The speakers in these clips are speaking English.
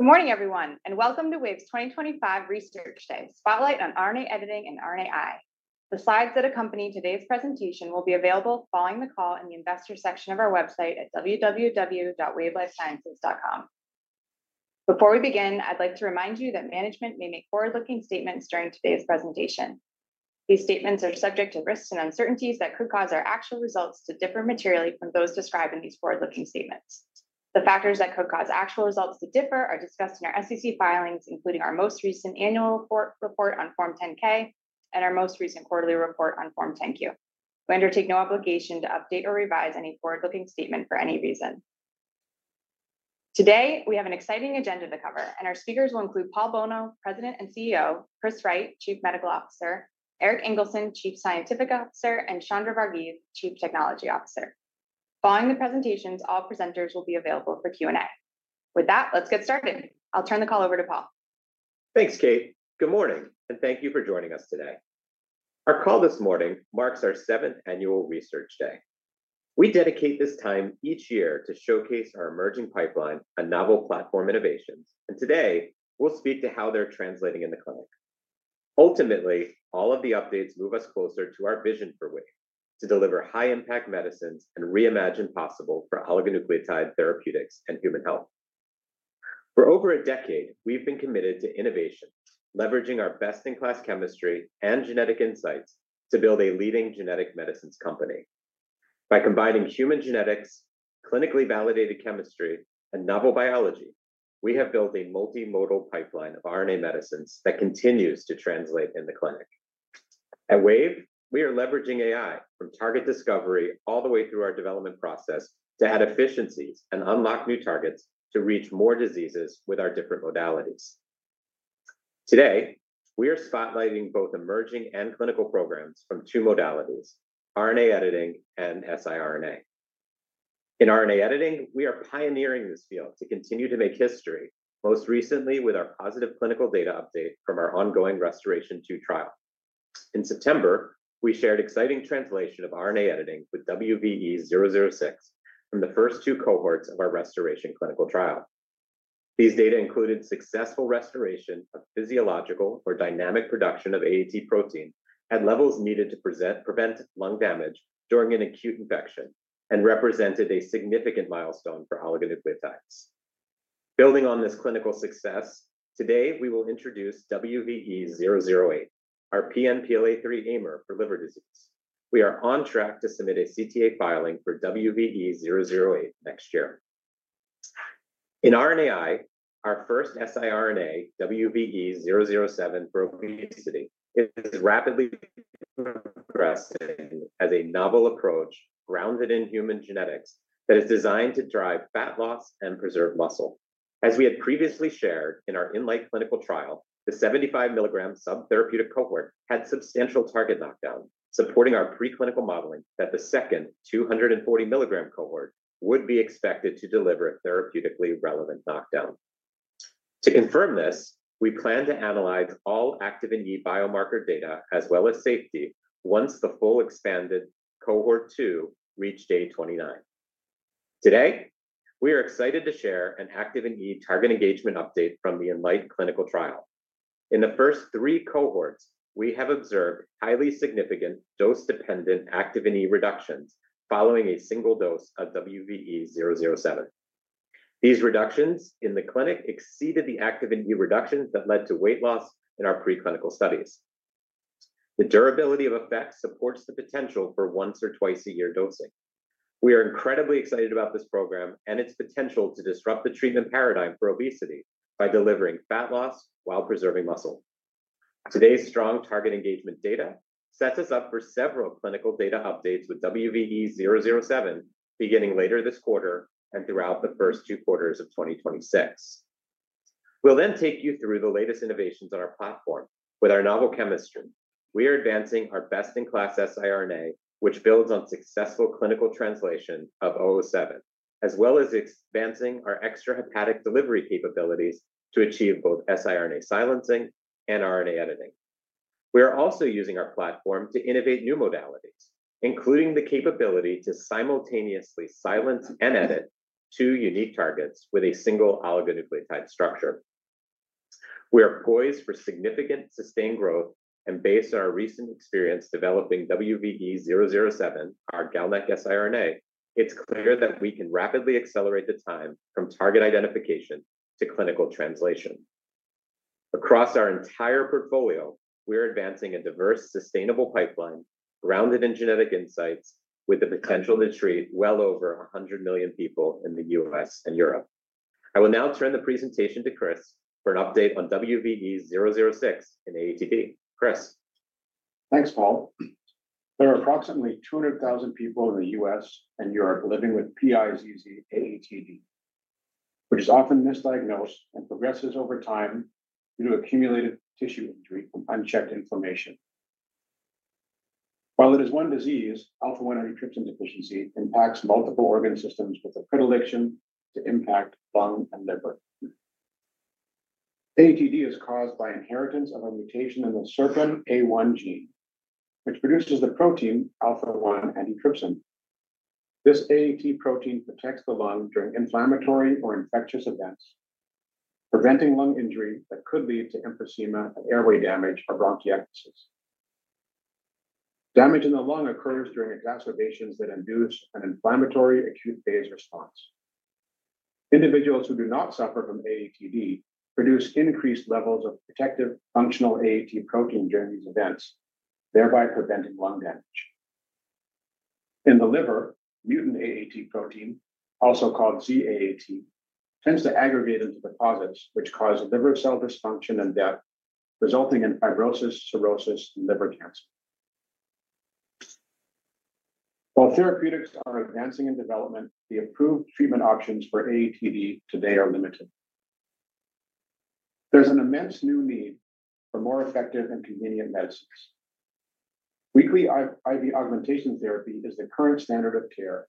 Good morning, everyone, and welcome to Wave's 2025 Research Day: Spotlight on RNA editing and RNAi. The slides that accompany today's presentation will be available following the call in the Investor section of our website at www.wavelifesciences.com. Before we begin, I'd like to remind you that management may make forward-looking statements during today's presentation. These statements are subject to risks and uncertainties that could cause our actual results to differ materially from those described in these forward-looking statements. The factors that could cause actual results to differ are discussed in our SEC filings, including our most recent annual report on Form 10-K and our most recent quarterly report on Form 10-Q. We undertake no obligation to update or revise any forward-looking statement for any reason. Today, we have an exciting agenda to cover, and our speakers will include Paul Bolno, President and CEO, Chris Wright, Chief Medical Officer, Erik Ingelsson, Chief Scientific Officer, and Chandra Vargeese, Chief Technology Officer. Following the presentations, all presenters will be available for Q&A. With that, let's get started. I'll turn the call over to Paul. Thanks, Kate. Good morning, and thank you for joining us today. Our call this morning marks our seventh annual Research Day. We dedicate this time each year to showcase our emerging pipeline and novel platform innovations, and today we'll speak to how they're translating in the clinic. Ultimately, all of the updates move us closer to our vision for Wave Life Sciences: to deliver high-impact medicines and reimagine possible for oligonucleotide therapeutics and human health. For over a decade, we've been committed to innovation, leveraging our best-in-class chemistry and genetic insights to build a leading genetic medicines company. By combining human genetics, clinically validated chemistry, and novel biology, we have built a multimodal pipeline of RNA medicines that continues to translate in the clinic. At Wave Life Sciences, we are leveraging AI from target discovery all the way through our development process to add efficiencies and unlock new targets to reach more diseases with our different modalities. Today, we are spotlighting both emerging and clinical programs from two modalities: RNA editing and siRNA. In RNA editing, we are pioneering this field to continue to make history, most recently with our positive clinical data update from our ongoing RestorAATion-2 trial. In September, we shared exciting translation of RNA editing with WVE-006 from the first two cohorts of our RestorAATion-2 clinical trial. These data included successful restoration of physiological or dynamic production of AAT protein at levels needed to prevent lung damage during an acute infection and represented a significant milestone for oligonucleotides. Building on this clinical success, today we will introduce WVE-008, our PNPLA3 aimer for liver disease. We are on track to submit a CTA filing for WVE-008 next year. In RNAi, our first siRNA, WVE-007 for obesity, is rapidly progressing as a novel approach grounded in human genetics that is designed to drive fat loss and preserve muscle. As we had previously shared in our INLIGHT clinical trial, the 75 mg subtherapeutic cohort had substantial target knockdown, supporting our preclinical modeling that the second 240 mg cohort would be expected to deliver a therapeutically relevant knockdown. To confirm this, we plan to analyze all active INHBE biomarker data as well as safety once the full expanded cohort 2 reached day 29. Today, we are excited to share an active INHBE target engagement update from the INLIGHT clinical trial. In the first three cohorts, we have observed highly significant dose-dependent activin E reductions following a single dose of WVE-007. These reductions in the clinic exceeded the activin E reductions that led to weight loss in our preclinical studies. The durability of effect supports the potential for once or twice a year dosing. We are incredibly excited about this program and its potential to disrupt the treatment paradigm for obesity by delivering fat loss while preserving muscle. Today's strong target engagement data sets us up for several clinical data updates with WVE-007 beginning later this quarter and throughout the first two quarters of 2026. We'll then take you through the latest innovations on our platform. With our novel chemistry, we are advancing our best-in-class siRNA, which builds on successful clinical translation of WVE-007, as well as advancing our extrahepatic delivery capabilities to achieve both siRNA silencing and RNA editing. We are also using our platform to innovate new modalities, including the capability to simultaneously silence and edit two unique targets with a single oligonucleotide structure. We are poised for significant sustained growth, and based on our recent experience developing WVE-007, our GalNAc siRNA, it's clear that we can rapidly accelerate the time from target identification to clinical translation. Across our entire portfolio, we are advancing a diverse, sustainable pipeline grounded in genetic insights with the potential to treat well over 100 million people in the U.S. and Europe. I will now turn the presentation to Chris for an update on WVE-006 in AATD. Chris. Thanks, Paul. There are approximately 200,000 people in the U.S. and Europe living with PiZZ AATD, which is often misdiagnosed and progresses over time due to accumulated tissue injury from unchecked inflammation. While it is one disease, alpha-1 antitrypsin deficiency impacts multiple organ systems with a predilection to impact lung and liver. AATD is caused by inheritance of a mutation in the SERPINA1 gene, which produces the protein alpha-1 antitrypsin. This AAT protein protects the lung during inflammatory or infectious events, preventing lung injury that could lead to emphysema, airway damage, or bronchiectasis. Damage in the lung occurs during exacerbations that induce an inflammatory acute phase response. Individuals who do not suffer from AATD produce increased levels of protective functional AAT protein during these events, thereby preventing lung damage. In the liver, mutant AAT protein, also called ZAAT, tends to aggregate into deposits, which cause liver cell dysfunction and death, resulting in fibrosis, cirrhosis, and liver cancer. While therapeutics are advancing in development, the approved treatment options for AATD today are limited. There's an immense new need for more effective and convenient medicines. Weekly IV augmentation therapy is the current standard of care.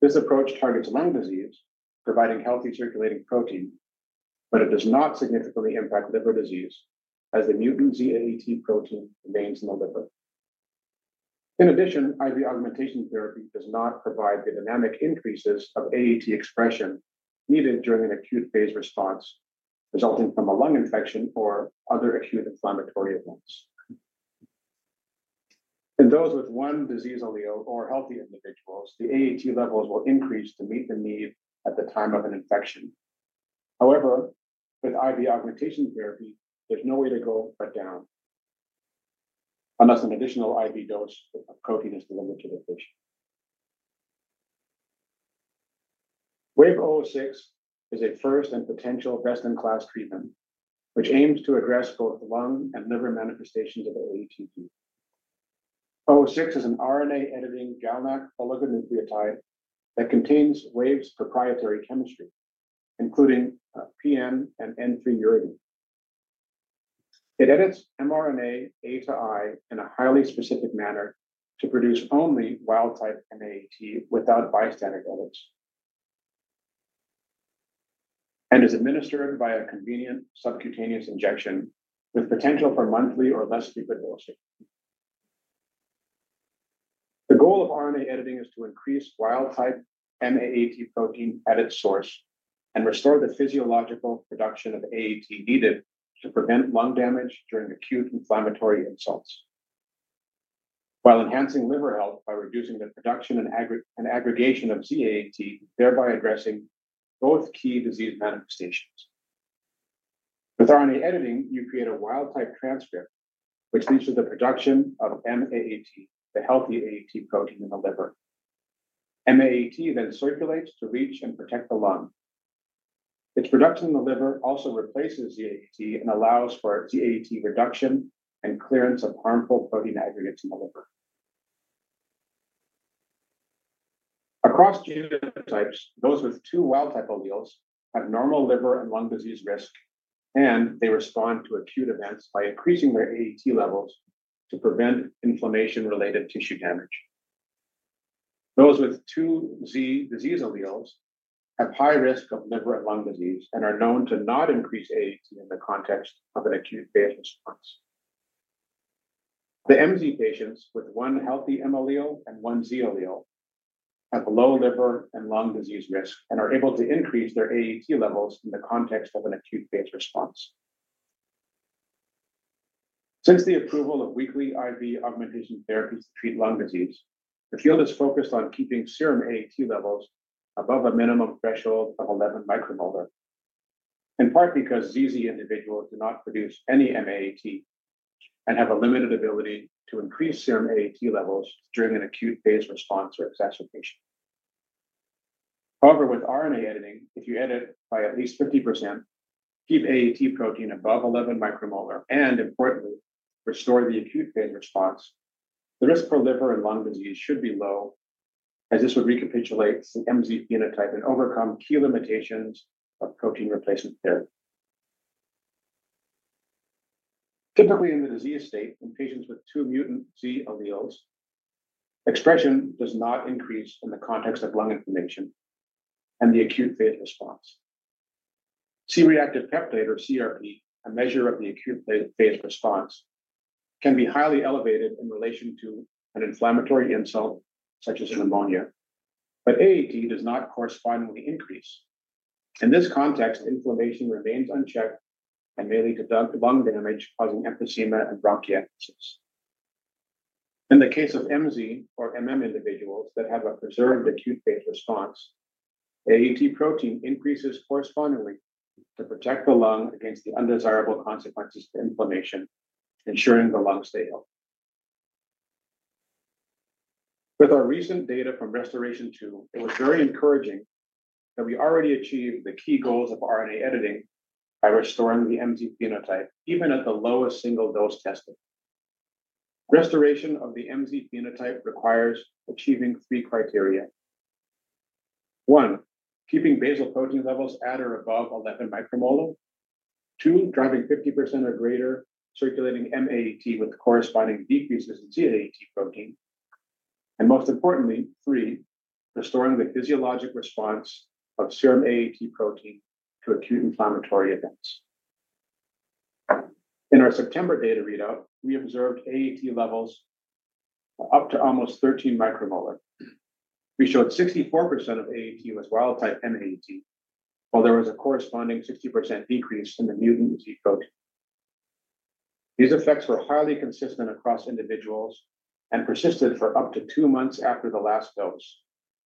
This approach targets lung disease, providing healthy circulating protein, but it does not significantly impact liver disease as the mutant ZAAT protein remains in the liver. In addition, IV augmentation therapy does not provide the dynamic increases of AAT expression needed during an acute phase response resulting from a lung infection or other acute inflammatory events. In those with one disease allele or healthy individuals, the AAT levels will increase to meet the need at the time of an infection. However, with IV augmentation therapy, there's no way to go but down unless an additional IV dose of protein is delivered to the patient. WVE-006 is a first and potential best-in-class treatment, which aims to address both lung and liver manifestations of AATD. WVE-006 is an RNA editing GalNAc oligonucleotide that contains Wave's proprietary chemistry, including PM and N3 uridine. It edits mRNA A to I in a highly specific manner to produce only wild-type M-AAT without bystander edits, and is administered via convenient subcutaneous injection with potential for monthly or less frequent dosing. The goal of RNA editing is to increase wild-type MAAT protein at its source and restore the physiological production of AAT needed to prevent lung damage during acute inflammatory insults, while enhancing liver health by reducing the production and aggregation of ZAAT, thereby addressing both key disease manifestations. With RNA editing, you create a wild-type transcript, which leads to the production of MAAT, the healthy AAT protein in the liver. MAAT then circulates to reach and protect the lung. Its production in the liver also replaces ZAAT and allows for ZAAT reduction and clearance of harmful protein aggregates in the liver. Across genotypes, those with two wild-type alleles have normal liver and lung disease risk, and they respond to acute events by increasing their AAT levels to prevent inflammation-related tissue damage. Those with two Z disease alleles have high risk of liver and lung disease and are known to not increase AAT in the context of an acute phase response. The MZ patients with one healthy M allele and one Z allele have low liver and lung disease risk and are able to increase their AAT levels in the context of an acute phase response. Since the approval of weekly IV augmentation therapies to treat lung disease, the field is focused on keeping serum AAT levels above a minimum threshold of 11 micromolar, in part because ZZ individuals do not produce any MAAT and have a limited ability to increase serum AAT levels during an acute phase response or exacerbation. However, with RNA editing, if you edit by at least 50%, keep AAT protein above 11 micromolar and, importantly, restore the acute phase response, the risk for liver and lung disease should be low, as this would recapitulate the MZ phenotype and overcome key limitations of protein replacement therapy. Typically, in the disease state, in patients with two mutant Z alleles, expression does not increase in the context of lung inflammation and the acute phase response. C-reactive peptide, or CRP, a measure of the acute phase response, can be highly elevated in relation to an inflammatory insult, such as pneumonia, but AAT does not correspondingly increase. In this context, inflammation remains unchecked and may lead to lung damage, causing emphysema and bronchiectasis. In the case of MZ or individuals that have a preserved acute phase response, AAT protein increases correspondingly to protect the lung against the undesirable consequences of inflammation, ensuring the lungs stay healthy. With our recent data from RestorAATion-2, it was very encouraging that we already achieved the key goals of RNA editing by restoring the MZ phenotype, even at the lowest single dose tested. Restoration of the MZ phenotype requires achieving three criteria: one, keeping basal protein levels at or above 11 micromolar; two, driving 50% or greater circulating MAAT with corresponding decreases in ZAAT protein; and most importantly, three, restoring the physiologic response of serum AAT protein to acute inflammatory events. In our September data readout, we observed AAT levels up to almost 13 micromolar. We showed 64% of AAT was wild-type MAAT, while there was a corresponding 60% decrease in the mutant Z protein. These effects were highly consistent across individuals and persisted for up to two months after the last dose,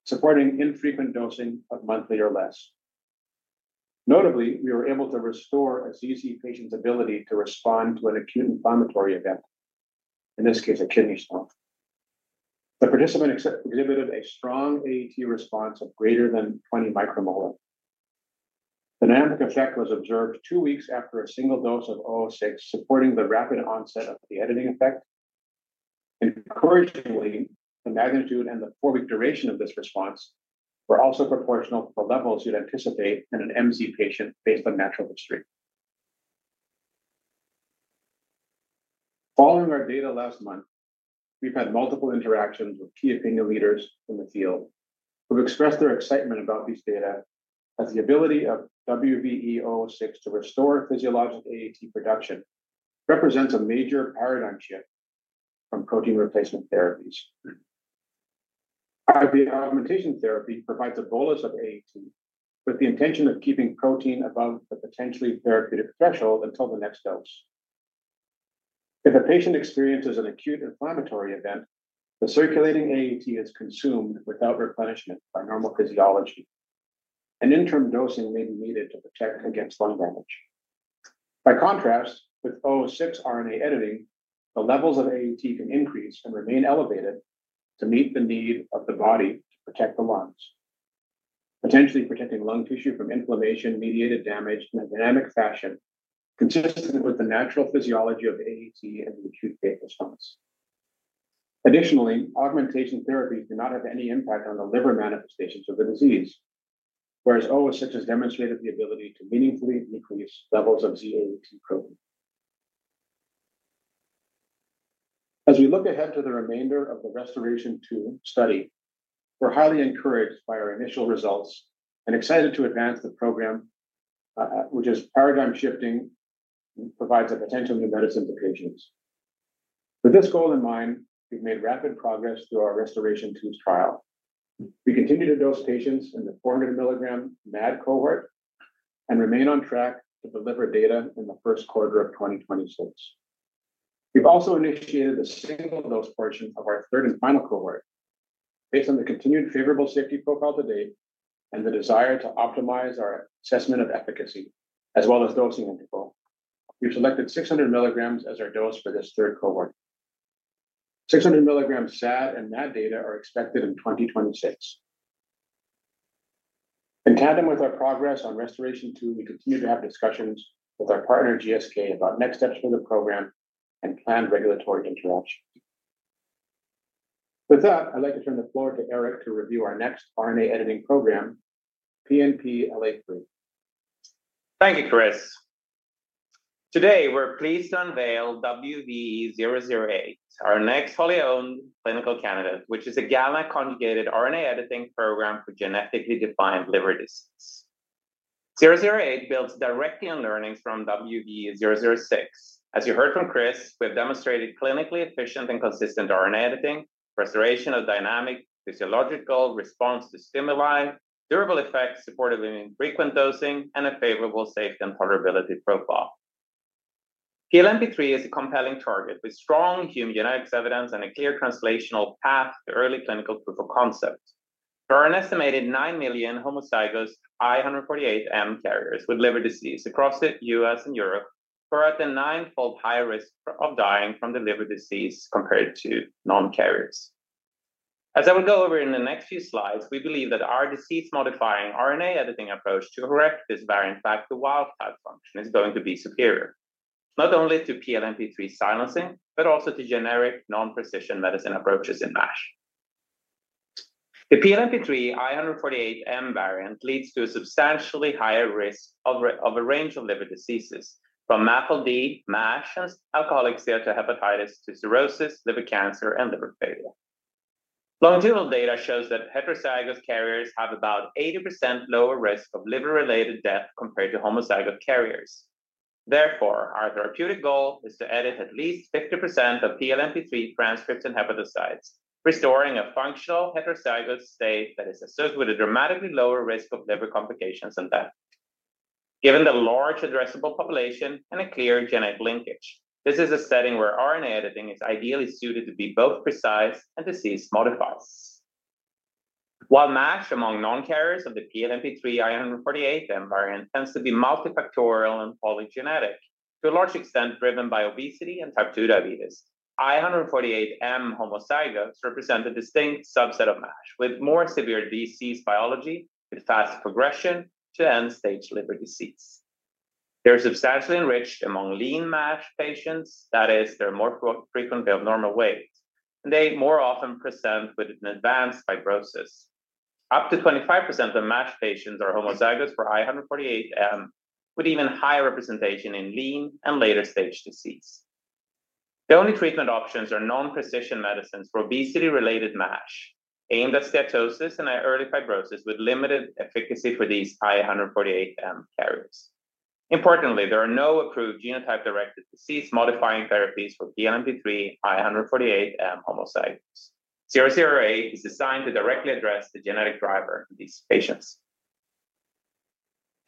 supporting infrequent dosing of monthly or less. Notably, we were able to restore a ZZ patient's ability to respond to an acute inflammatory event, in this case, a kidney stone. The participant exhibited a strong AAT response of greater than 20 micromolar. The dynamic effect was observed two weeks after a single dose of WVE-006, supporting the rapid onset of the editing effect. Encouragingly, the magnitude and the four-week duration of this response were also proportional to the levels you'd anticipate in an MZ patient based on natural history. Following our data last month, we've had multiple interactions with key opinion leaders in the field who've expressed their excitement about these data, as the ability of WVE-006 to restore physiologic AAT production represents a major paradigm shift from protein replacement therapies. IV augmentation therapy provides a bolus of AAT with the intention of keeping protein above the potentially therapeutic threshold until the next dose. If a patient experiences an acute inflammatory event, the circulating AAT is consumed without replenishment by normal physiology, and interim dosing may be needed to protect against lung damage. By contrast, with WVE-006 RNA editing, the levels of AAT can increase and remain elevated to meet the need of the body to protect the lungs, potentially protecting lung tissue from inflammation-mediated damage in a dynamic fashion consistent with the natural physiology of AAT and the acute phase response. Additionally, augmentation therapies do not have any impact on the liver manifestations of the disease, whereas WVE-006 has demonstrated the ability to meaningfully decrease levels of ZAAT protein. As we look ahead to the remainder of the RestorAATion-2 study, we're highly encouraged by our initial results and excited to advance the program, which is paradigm shifting and provides a potential new medicine to patients. With this goal in mind, we've made rapid progress through our RestorAATion-2 trial. We continue to dose patients in the 400 milligram MAD cohort and remain on track to deliver data in the first quarter of 2026. We've also initiated the single dose portion of our third and final cohort. Based on the continued favorable safety profile to date and the desire to optimize our assessment of efficacy, as well as dosing in people, we've selected 600 milligrams as our dose for this third cohort. 600 mg SAD and MAD data are expected in 2026. In tandem with our progress on RestorAATion-2, we continue to have discussions with our partner, GSK, about next steps for the program and planned regulatory interactions. With that, I'd like to turn the floor to Erik to review our next RNA editing program, PNPLA3. Thank you, Chris. Today, we're pleased to unveil WVE-008, our next fully owned clinical candidate, which is a GalNAc-conjugated RNA editing program for genetically defined liver disease. WVE-008 builds directly on learnings from WVE-006. As you heard from Chris, we've demonstrated clinically efficient and consistent RNA editing, restoration of dynamic physiological response to stimuli, durable effects supported in frequent dosing, and a favorable safety and tolerability profile. PNPLA3 is a compelling target with strong human genetics evidence and a clear translational path to early clinical proof of concept. There are an estimated 9 million homozygous I148M carriers with liver disease across the U.S. and Europe who are at a nine-fold higher risk of dying from the liver disease compared to non-carriers. As I will go over in the next few slides, we believe that our disease-modifying RNA editing approach to correct this variant back to wild-type function is going to be superior, not only to PNPLA3 silencing but also to generic non-precision medicine approaches in MASH. The PNPLA3 I148M variant leads to a substantially higher risk of a range of liver diseases, from MAFLD, MASH, and alcoholic steatohepatitis to cirrhosis, liver cancer, and liver failure. Longitudinal data shows that heterozygous carriers have about 80% lower risk of liver-related death compared to homozygous carriers. Therefore, our therapeutic goal is to edit at least 50% of PNPLA3 transcripts in hepatocytes, restoring a functional heterozygous state that is associated with a dramatically lower risk of liver complications and death, given the large addressable population and a clear genetic linkage. This is a setting where RNA editing is ideally suited to be both precise and disease modifiers. While MASH among non-carriers of the PNPLA3 I148M variant tends to be multifactorial and polygenic, to a large extent driven by obesity and type 2 diabetes, I148M homozygous represent a distinct subset of MASH with more severe disease biology with fast progression to end-stage liver disease. They're substantially enriched among lean MASH patients; that is, they're more frequently of normal weight, and they more often present with advanced fibrosis. Up to 25% of MASH patients are homozygous for I148M, with even higher representation in lean and later stage disease. The only treatment options are non-precision medicines for obesity-related MASH aimed at steatosis and early fibrosis, with limited efficacy for these I148M carriers. Importantly, there are no approved genotype-directed disease-modifying therapies for PNPLA3 I148M homozygous. WVE-008 is designed to directly address the genetic driver in these patients.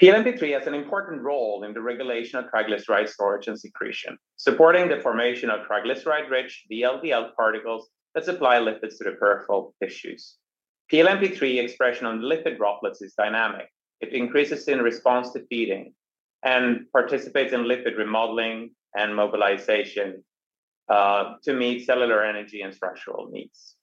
PNPLA3 has an important role in the regulation of triglyceride storage and secretion, supporting the formation of triglyceride-rich VLDL particles that supply lipids to the peripheral tissues. PNPLA3 expression on lipid droplets is dynamic. It increases in response to feeding and participates in lipid remodeling and mobilization to meet cellular energy and structural needs.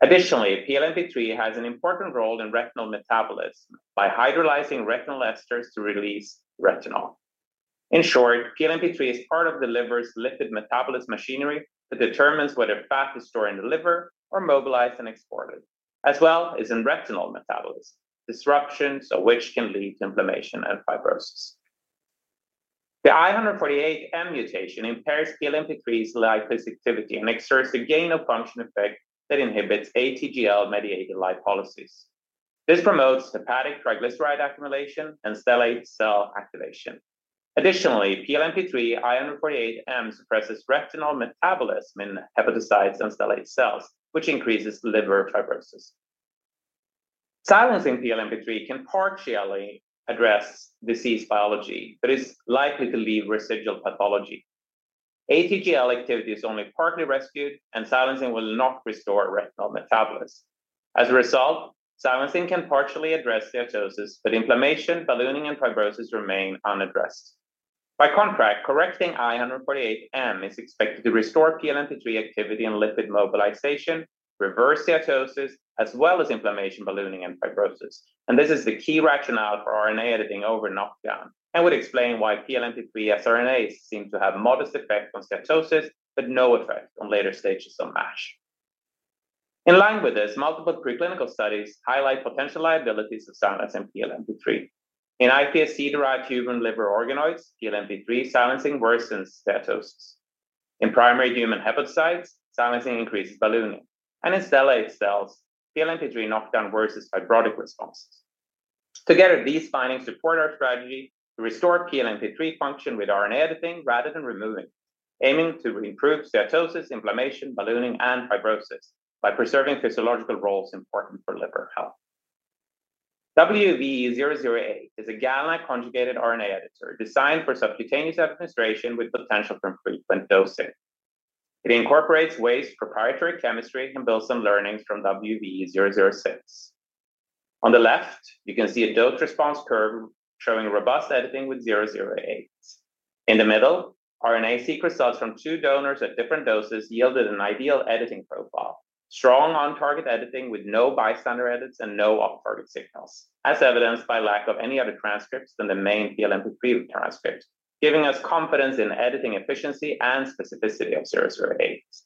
Additionally, PNPLA3 has an important role in retinal metabolism by hydrolyzing retinal esters to release retinol. In short, PNPLA3 is part of the liver's lipid metabolism machinery that determines whether fat is stored in the liver or mobilized and exported, as well as in retinol metabolism, disruptions of which can lead to inflammation and fibrosis. The I148M mutation impairs PNPLA3's lipase activity and exerts a gain-of-function effect that inhibits ATGL-mediated lipolysis. This promotes hepatic triglyceride accumulation and stellate cell activation. Additionally, PNPLA3 I148M suppresses retinol metabolism in hepatocytes and stellate cells, which increases liver fibrosis. Silencing PNPLA3 can partially address disease biology but is likely to leave residual pathology. ATGL activity is only partly rescued, and silencing will not restore retinol metabolism. As a result, silencing can partially address steatosis, but inflammation, ballooning, and fibrosis remain unaddressed. By contrast, correcting I148M is expected to restore PNPLA3 activity and lipid mobilization, reverse steatosis, as well as inflammation, ballooning, and fibrosis. This is the key rationale for RNA editing over knockdown and would explain why PNPLA3 siRNAs seem to have modest effect on steatosis but no effect on later stages of MASH. In line with this, multiple preclinical studies highlight potential liabilities of silencing PNPLA3. In iPSC-derived human liver organoids, PNPLA3 silencing worsens steatosis. In primary human hepatocytes, silencing increases ballooning, and in stellate cells, PNPLA3 knockdown worsens fibrotic responses. Together, these findings support our strategy to restore PNPLA3 function with RNA editing rather than removing it, aiming to improve steatosis, inflammation, ballooning, and fibrosis by preserving physiological roles important for liver health. WVE-008 is a GalNAc-conjugated RNA editor designed for subcutaneous administration with potential for frequent dosing. It incorporates Wave's proprietary chemistry and builds on learnings from WVE-006. On the left, you can see a dose response curve showing robust editing with 008s. In the middle, RNA-seq results from two donors at different doses yielded an ideal editing profile: strong on-target editing with no bystander edits and no off-target signals, as evidenced by lack of any other transcripts than the main PNPLA3 transcript, giving us confidence in editing efficiency and specificity of 008s.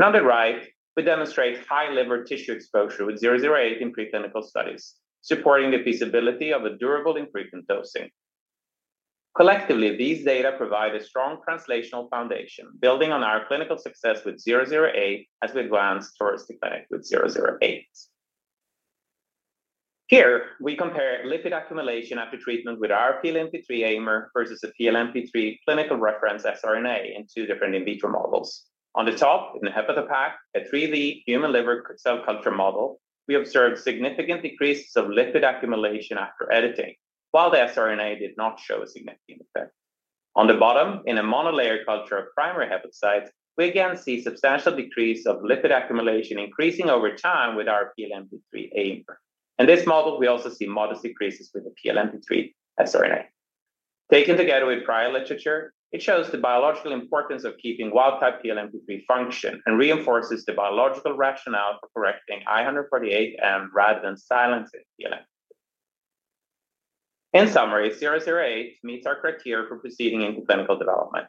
On the right, we demonstrate high liver tissue exposure with 008 in preclinical studies, supporting the feasibility of a durable and frequent dosing. Collectively, these data provide a strong translational foundation, building on our clinical success with 008 as we advance towards the clinic with 008s. Here, we compare lipid accumulation after treatment with our PNPLA3 aimer versus a PNPLA3 clinical reference siRNA in two different in vitro models. On the top, in the HepatoPac, a 3D human liver cell culture model, we observed significant decreases of lipid accumulation after editing, while the siRNA did not show a significant effect. On the bottom, in a monolayer culture of primary hepatocytes, we again see a substantial decrease of lipid accumulation increasing over time with our PNPLA3 aimer. In this model, we also see modest decreases with the PNPLA3 siRNA. Taken together with prior literature, it shows the biological importance of keeping wild-type PNPLA3 function and reinforces the biological rationale for correcting I148M rather than silencing PNPLA3. In summary, 008 meets our criteria for proceeding into clinical development: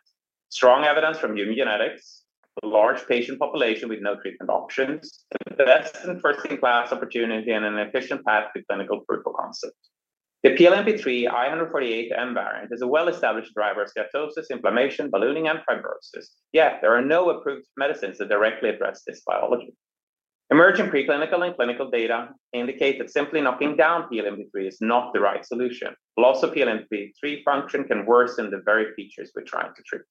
strong evidence from human genetics, a large patient population with no treatment options, the best and first-in-class opportunity, and an efficient path to clinical proof of concept. The PNPLA3 I148M variant is a well-established driver of steatosis, inflammation, ballooning, and fibrosis, yet there are no approved medicines that directly address this biology. Emerging preclinical and clinical data indicate that simply knocking down PNPLA3 is not the right solution. Loss of PNPLA3 function can worsen the very features we're trying to treat.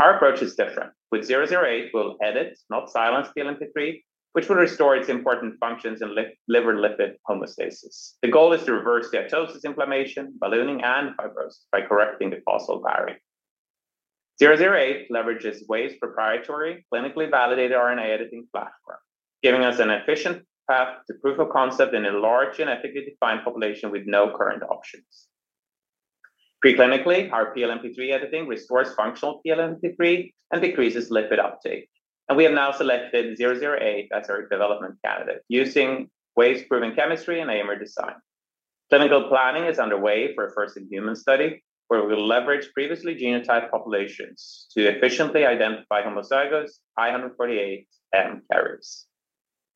Our approach is different. With WVE-008, we'll edit, not silence, PNPLA3, which will restore its important functions in liver and lipid homeostasis. The goal is to reverse steatosis, inflammation, ballooning, and fibrosis by correcting the I148M variant. WVE-008 leverages Wave's proprietary, clinically validated RNA editing platform, giving us an efficient path to proof of concept in a large genetically defined population with no current options. Preclinically, our PNPLA3 editing restores functional PNPLA3 and decreases lipid uptake. We have now selected WVE-008 as our development candidate using Wave Life Sciences' proven chemistry and Aimer design. Clinical planning is underway for a first-in-human study where we'll leverage previously genotyped populations to efficiently identify homozygous I148M carriers.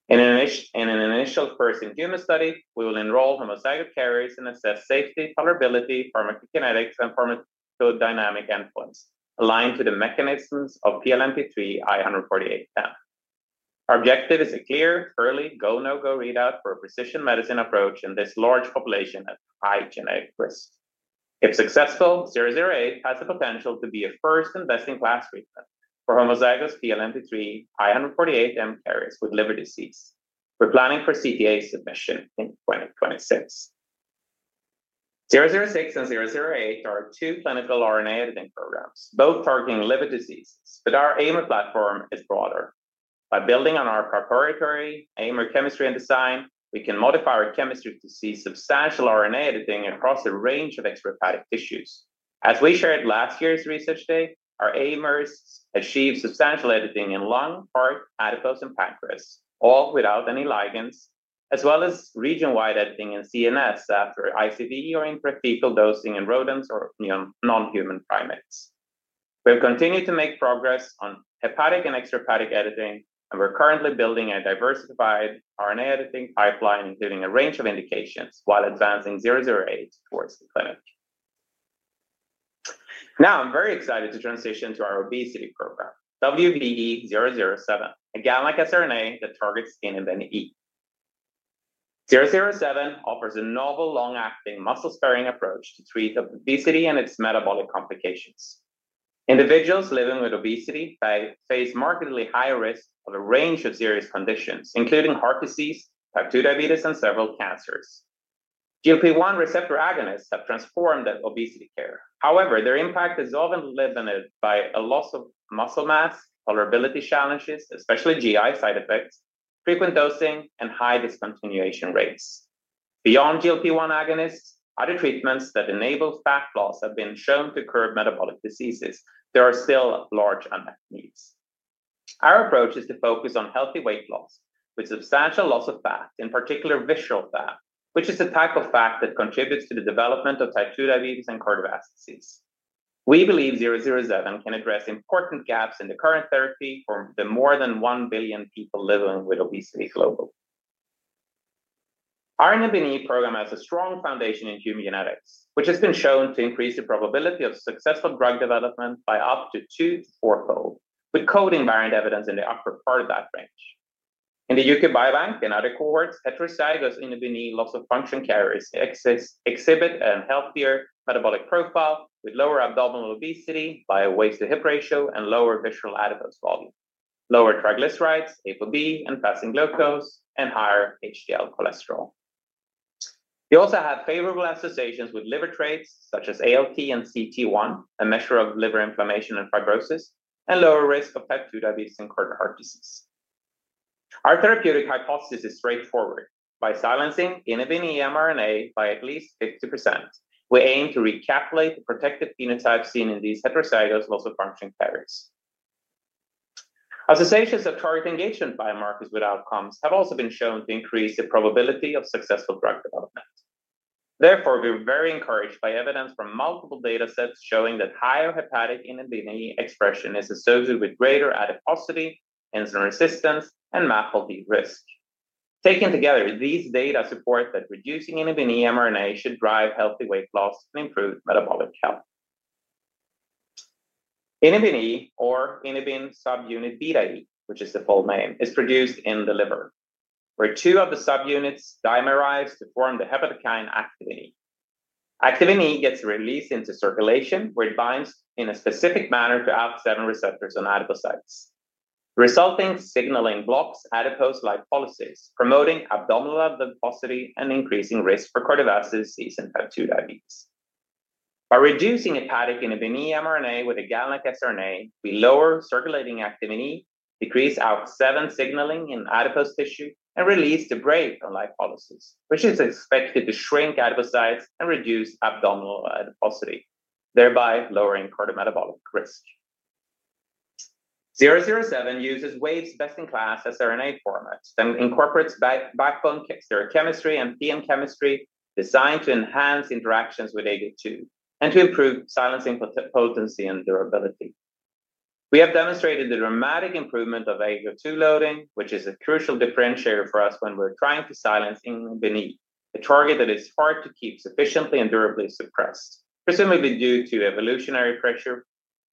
In an initial first-in-human study, we will enroll homozygous carriers and assess safety, tolerability, pharmacokinetics, and pharmacodynamic endpoints aligned to the mechanisms of PNPLA3 I148M. Our objective is a clear, early, go/no-go readout for a precision medicine approach in this large population at high genetic risk. If successful, WVE-008 has the potential to be a first and best-in-class treatment for homozygous PNPLA3 I148M carriers with liver disease. We're planning for CTA submission in 2026. WVE-006 and WVE-008 are two clinical RNA editing programs, both targeting liver diseases, but our Aimer platform is broader. By building on our proprietary Aimer chemistry and design, we can modify our chemistry to see substantial RNA editing across a range of extrahepatic tissues. As we shared at last year's Research Day, our Aimers achieve substantial editing in lung, heart, adipose, and pancreas, all without any ligands, as well as region-wide editing in CNS after ICV or intrathecal dosing in rodents or non-human primates. We'll continue to make progress on hepatic and extrahepatic editing, and we're currently building a diversified RNA editing pipeline, including a range of indications, while advancing WVE-008 towards the clinic. Now, I'm very excited to transition to our obesity program, WVE-007, a GalNAc-conjugated siRNA that targets INHBE. WVE-007 offers a novel, long-acting, muscle-sparing approach to treat obesity and its metabolic complications. Individuals living with obesity face markedly higher risk of a range of serious conditions, including heart disease, type 2 diabetes, and several cancers. GLP-1 receptor agonists have transformed obesity care. However, their impact is often limited by a loss of muscle mass, tolerability challenges, especially GI side effects, frequent dosing, and high discontinuation rates. Beyond GLP-1 receptor agonists, other treatments that enable fat loss have been shown to curb metabolic diseases. There are still large unmet needs. Our approach is to focus on healthy weight loss with substantial loss of fat, in particular visceral fat, which is the type of fat that contributes to the development of type 2 diabetes and cardiovascular disease. We believe WVE-007 can address important gaps in the current therapy for the more than 1 billion people living with obesity globally. Our INHBE program has a strong foundation in human genetics, which has been shown to increase the probability of successful drug development by up to 2-4-fold, with coding variant evidence in the upper part of that range. In the U.K. Biobank and other cohorts, heterozygous INHBE loss of function carriers exhibit a healthier metabolic profile with lower abdominal obesity, body weight to hip ratio, and lower visceral adipose volume, lower triglycerides, ApoB, and fasting glucose, and higher HDL cholesterol. We also have favorable associations with liver traits, such as ALT and CT1, a measure of liver inflammation and fibrosis, and lower risk of type 2 diabetes and heart disease. Our therapeutic hypothesis is straightforward: by silencing INHBE mRNA by at least 50%, we aim to recapitulate the protective phenotypes seen in these heterozygous loss of function carriers. Associations of target engagement biomarkers with outcomes have also been shown to increase the probability of successful drug development. Therefore, we're very encouraged by evidence from multiple data sets showing that higher hepatic INHBE expression is associated with greater adiposity, insulin resistance, and MAFLD risk. Taken together, these data support that reducing INHBE mRNA should drive healthy weight loss and improve metabolic health. INHBE, or inhibin subunit beta E, which is the full name, is produced in the liver, where two of the subunits dimerize to form the hepatokine activin E. Activin E gets released into circulation, where it binds in a specific manner to ALK7 receptors on adipocytes. The resulting signaling blocks adipose lipolysis, promoting abdominal adiposity and increasing risk for cardiovascular disease and type 2 diabetes. By reducing hepatic INHBE mRNA with a GalNAc-conjugated siRNA, we lower circulating activin E, decrease ALK7 signaling in adipose tissue, and release the brake on lipolysis, which is expected to shrink adipocytes and reduce abdominal adiposity, thereby lowering cardiometabolic risk. WVE-007 uses Wave's best-in-class siRNA format and incorporates backbone kickstart chemistry and PM chemistry designed to enhance interactions with AGO2 and to improve silencing potency and durability. We have demonstrated the dramatic improvement of AGO2 loading, which is a crucial differentiator for us when we're trying to silence INHBE, a target that is hard to keep sufficiently and durably suppressed, presumably due to evolutionary pressure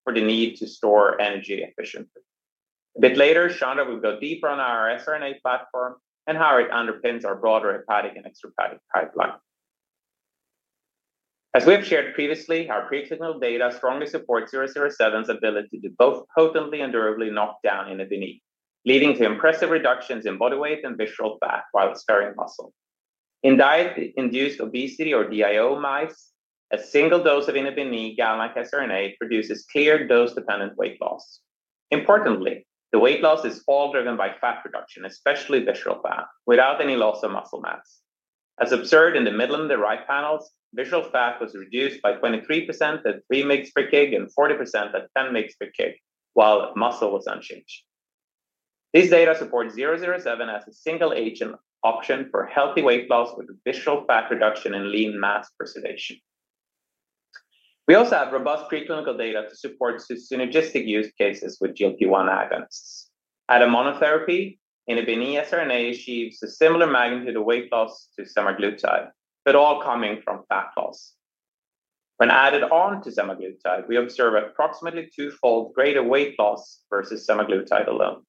or the need to store energy efficiently. A bit later, Chandra Vargeese will go deeper on our siRNA platform and how it underpins our broader hepatic and extrahepatic pipeline. As we've shared previously, our preclinical data strongly supports WVE-007's ability to both potently and durably knock down INHBE, leading to impressive reductions in body weight and visceral fat while sparing muscle. In diet-induced obesity, or DIO mice, a single dose of INHBE GalNAc-conjugated siRNA produces clear dose-dependent weight loss. Importantly, the weight loss is all driven by fat reduction, especially visceral fat, without any loss of muscle mass. As observed in the middle and the right panels, visceral fat was reduced by 23% at 3 mg/kg and 40% at 10 mg/kg, while muscle was unchanged. These data support WVE-007 as a single agent option for healthy weight loss with visceral fat reduction and lean mass preservation. We also have robust preclinical data to support synergistic use cases with GLP-1 receptor agonists. As a monotherapy, INHBE siRNA achieves a similar magnitude of weight loss to semaglutide, but all coming from fat loss. When added on to semaglutide, we observe approximately twofold greater weight loss versus semaglutide alone.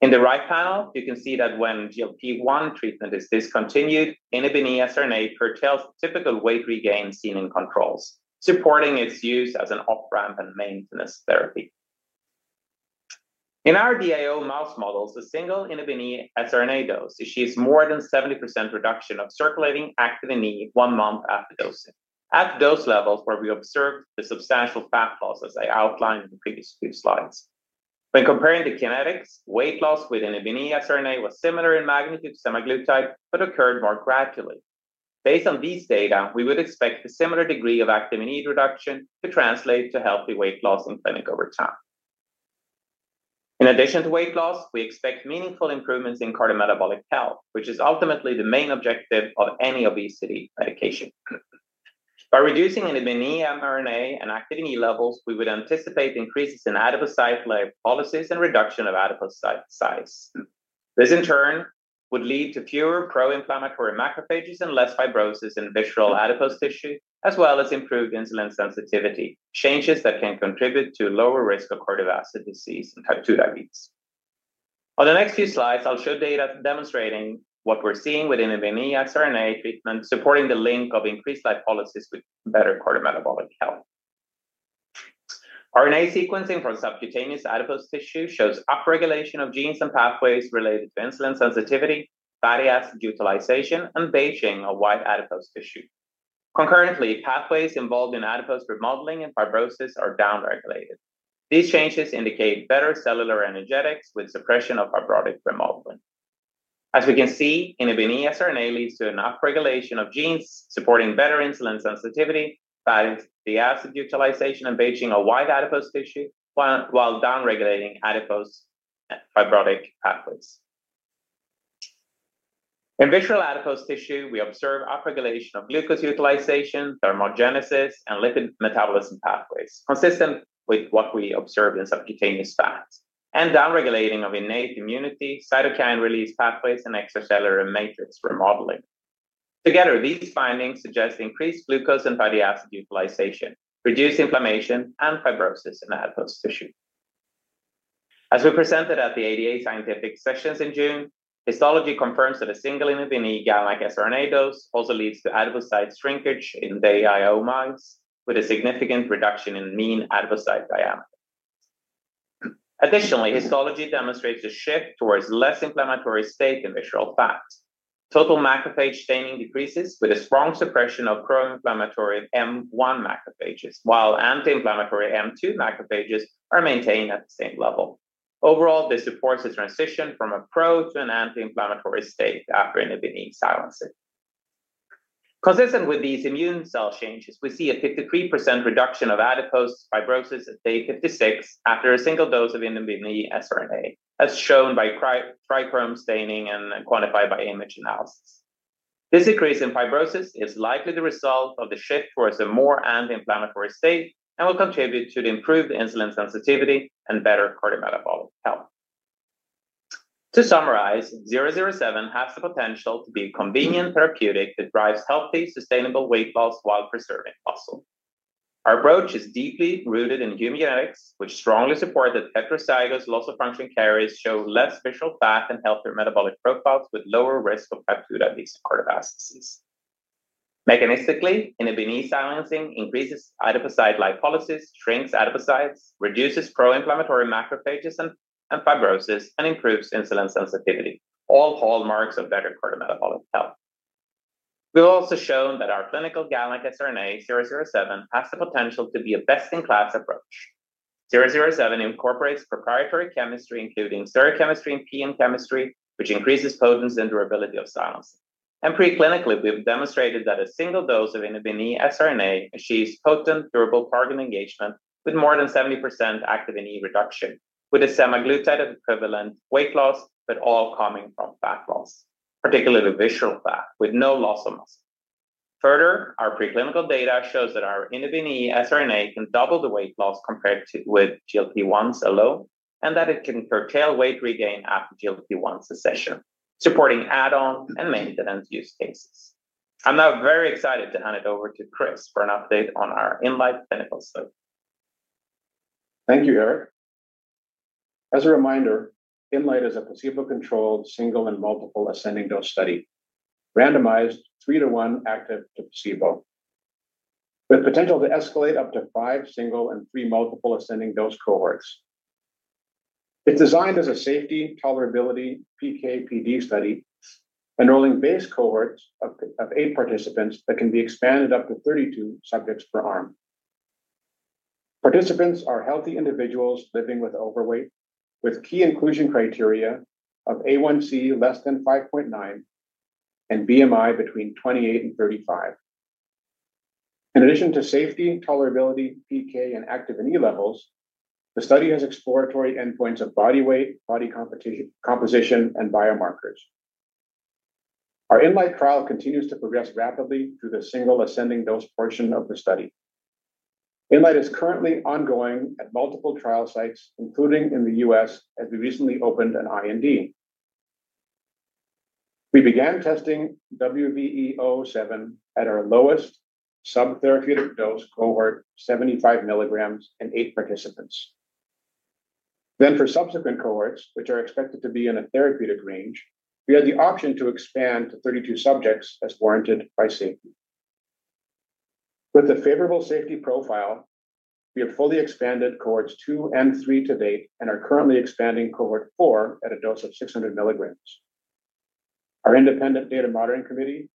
In the right panel, you can see that when GLP-1 treatment is discontinued, INHBE siRNA curtails typical weight regain seen in controls, supporting its use as an off-ramp and maintenance therapy. In our DIO mouse models, a single INHBE siRNA dose achieves more than 70% reduction of circulating activin E one month after dosing, at dose levels where we observed the substantial fat loss as I outlined in the previous few slides. When comparing the kinetics, weight loss with INHBE siRNA was similar in magnitude to semaglutide but occurred more gradually. Based on these data, we would expect a similar degree of activin E reduction to translate to healthy weight loss in clinic over time. In addition to weight loss, we expect meaningful improvements in cardiometabolic health, which is ultimately the main objective of any obesity medication. By reducing INHBE mRNA and activin E levels, we would anticipate increases in adipocyte lipolysis and reduction of adipocyte size. This, in turn, would lead to fewer pro-inflammatory macrophages and less fibrosis in visceral adipose tissue, as well as improved insulin sensitivity, changes that can contribute to lower risk of cardiovascular disease and type 2 diabetes. On the next few slides, I'll show data demonstrating what we're seeing with INHBE siRNA treatment, supporting the link of increased lipolysis with better cardiometabolic health. RNA sequencing from subcutaneous adipose tissue shows upregulation of genes and pathways related to insulin sensitivity, fatty acid utilization, and beiging of white adipose tissue. Concurrently, pathways involved in adipose remodeling and fibrosis are downregulated. These changes indicate better cellular energetics with suppression of fibrotic remodeling. As we can see, INHBE siRNA leads to an upregulation of genes supporting better insulin sensitivity, fatty acid utilization, and beiging of white adipose tissue, while downregulating adipose fibrotic pathways. In visceral adipose tissue, we observe upregulation of glucose utilization, thermogenesis, and lipid metabolism pathways, consistent with what we observed in subcutaneous fat, and downregulation of innate immunity, cytokine release pathways, and extracellular matrix remodeling. Together, these findings suggest increased glucose and fatty acid utilization, reduced inflammation and fibrosis in adipose tissue. As we presented at the ADA scientific sessions in June, histology confirms that a single INHBE GalNAc siRNA dose also leads to adipocyte shrinkage in DIO mice with a significant reduction in mean adipocyte diameter. Additionally, histology demonstrates a shift towards a less inflammatory state in visceral fat. Total macrophage staining decreases with a strong suppression of pro-inflammatory M1 macrophages, while anti-inflammatory M2 macrophages are maintained at the same level. Overall, this supports a transition from a pro to an anti-inflammatory state after INHBE silencing. Consistent with these immune cell changes, we see a 53% reduction of adipose fibrosis at day 56 after a single dose of INHBE siRNA, as shown by trichrome staining and quantified by image analysis. This decrease in fibrosis is likely the result of the shift towards a more anti-inflammatory state and will contribute to improved insulin sensitivity and better cardiometabolic health. To summarize, 007 has the potential to be a convenient therapeutic that drives healthy, sustainable weight loss while preserving muscle. Our approach is deeply rooted in human genetics, which strongly support that heterozygous loss of function carriers show less visceral fat and healthier metabolic profiles with lower risk of type 2 diabetes and cardiovascular disease. Mechanistically, INHBE silencing increases adipocyte lipolysis, shrinks adipocytes, reduces pro-inflammatory macrophages and fibrosis, and improves insulin sensitivity, all hallmarks of better cardiometabolic health. We've also shown that our clinical GalNAc-conjugated siRNA, 007, has the potential to be a best-in-class approach. 007 incorporates proprietary chemistry, including stereochemistry and PM chemistry, which increases potency and durability of silencing. Preclinically, we've demonstrated that a single dose of INHBE siRNA achieves potent, durable target engagement with more than 70% activin E reduction, with a semaglutide-equivalent weight loss, but all coming from fat loss, particularly visceral fat, with no loss of muscle. Further, our preclinical data shows that our INHBE siRNA can double the weight loss compared to GLP-1 receptor agonists alone and that it can curtail weight regain after GLP-1 cessation, supporting add-on and maintenance use cases. I'm now very excited to hand it over to Chris for an update on our INLIGHT clinical study. Thank you, Erik. As a reminder, INLIGHT is a placebo-controlled single and multiple ascending dose study, randomized 3:1 active to placebo, with potential to escalate up to five single and three multiple ascending dose cohorts. It's designed as a safety, tolerability, PK/PD study, enrolling base cohorts of eight participants that can be expanded up to 32 subjects per arm. Participants are healthy individuals living with overweight, with key inclusion criteria of A1C less than 5.9 and BMI between 28 and 35. In addition to safety, tolerability, PK, and activin E levels, the study has exploratory endpoints of body weight, body composition, and biomarkers. Our INLIGHT trial continues to progress rapidly through the single ascending dose portion of the study. INLIGHT is currently ongoing at multiple trial sites, including in the U.S., as we recently opened an IND. We began testing WVE-007 at our lowest subtherapeutic dose cohort, 75 mg, in eight participants. For subsequent cohorts, which are expected to be in a therapeutic range, we had the option to expand to 32 subjects as warranted by safety. With a favorable safety profile, we have fully expanded cohorts 2 and 3 to date and are currently expanding cohort 4 at a dose of 600 mg. Our independent data monitoring committee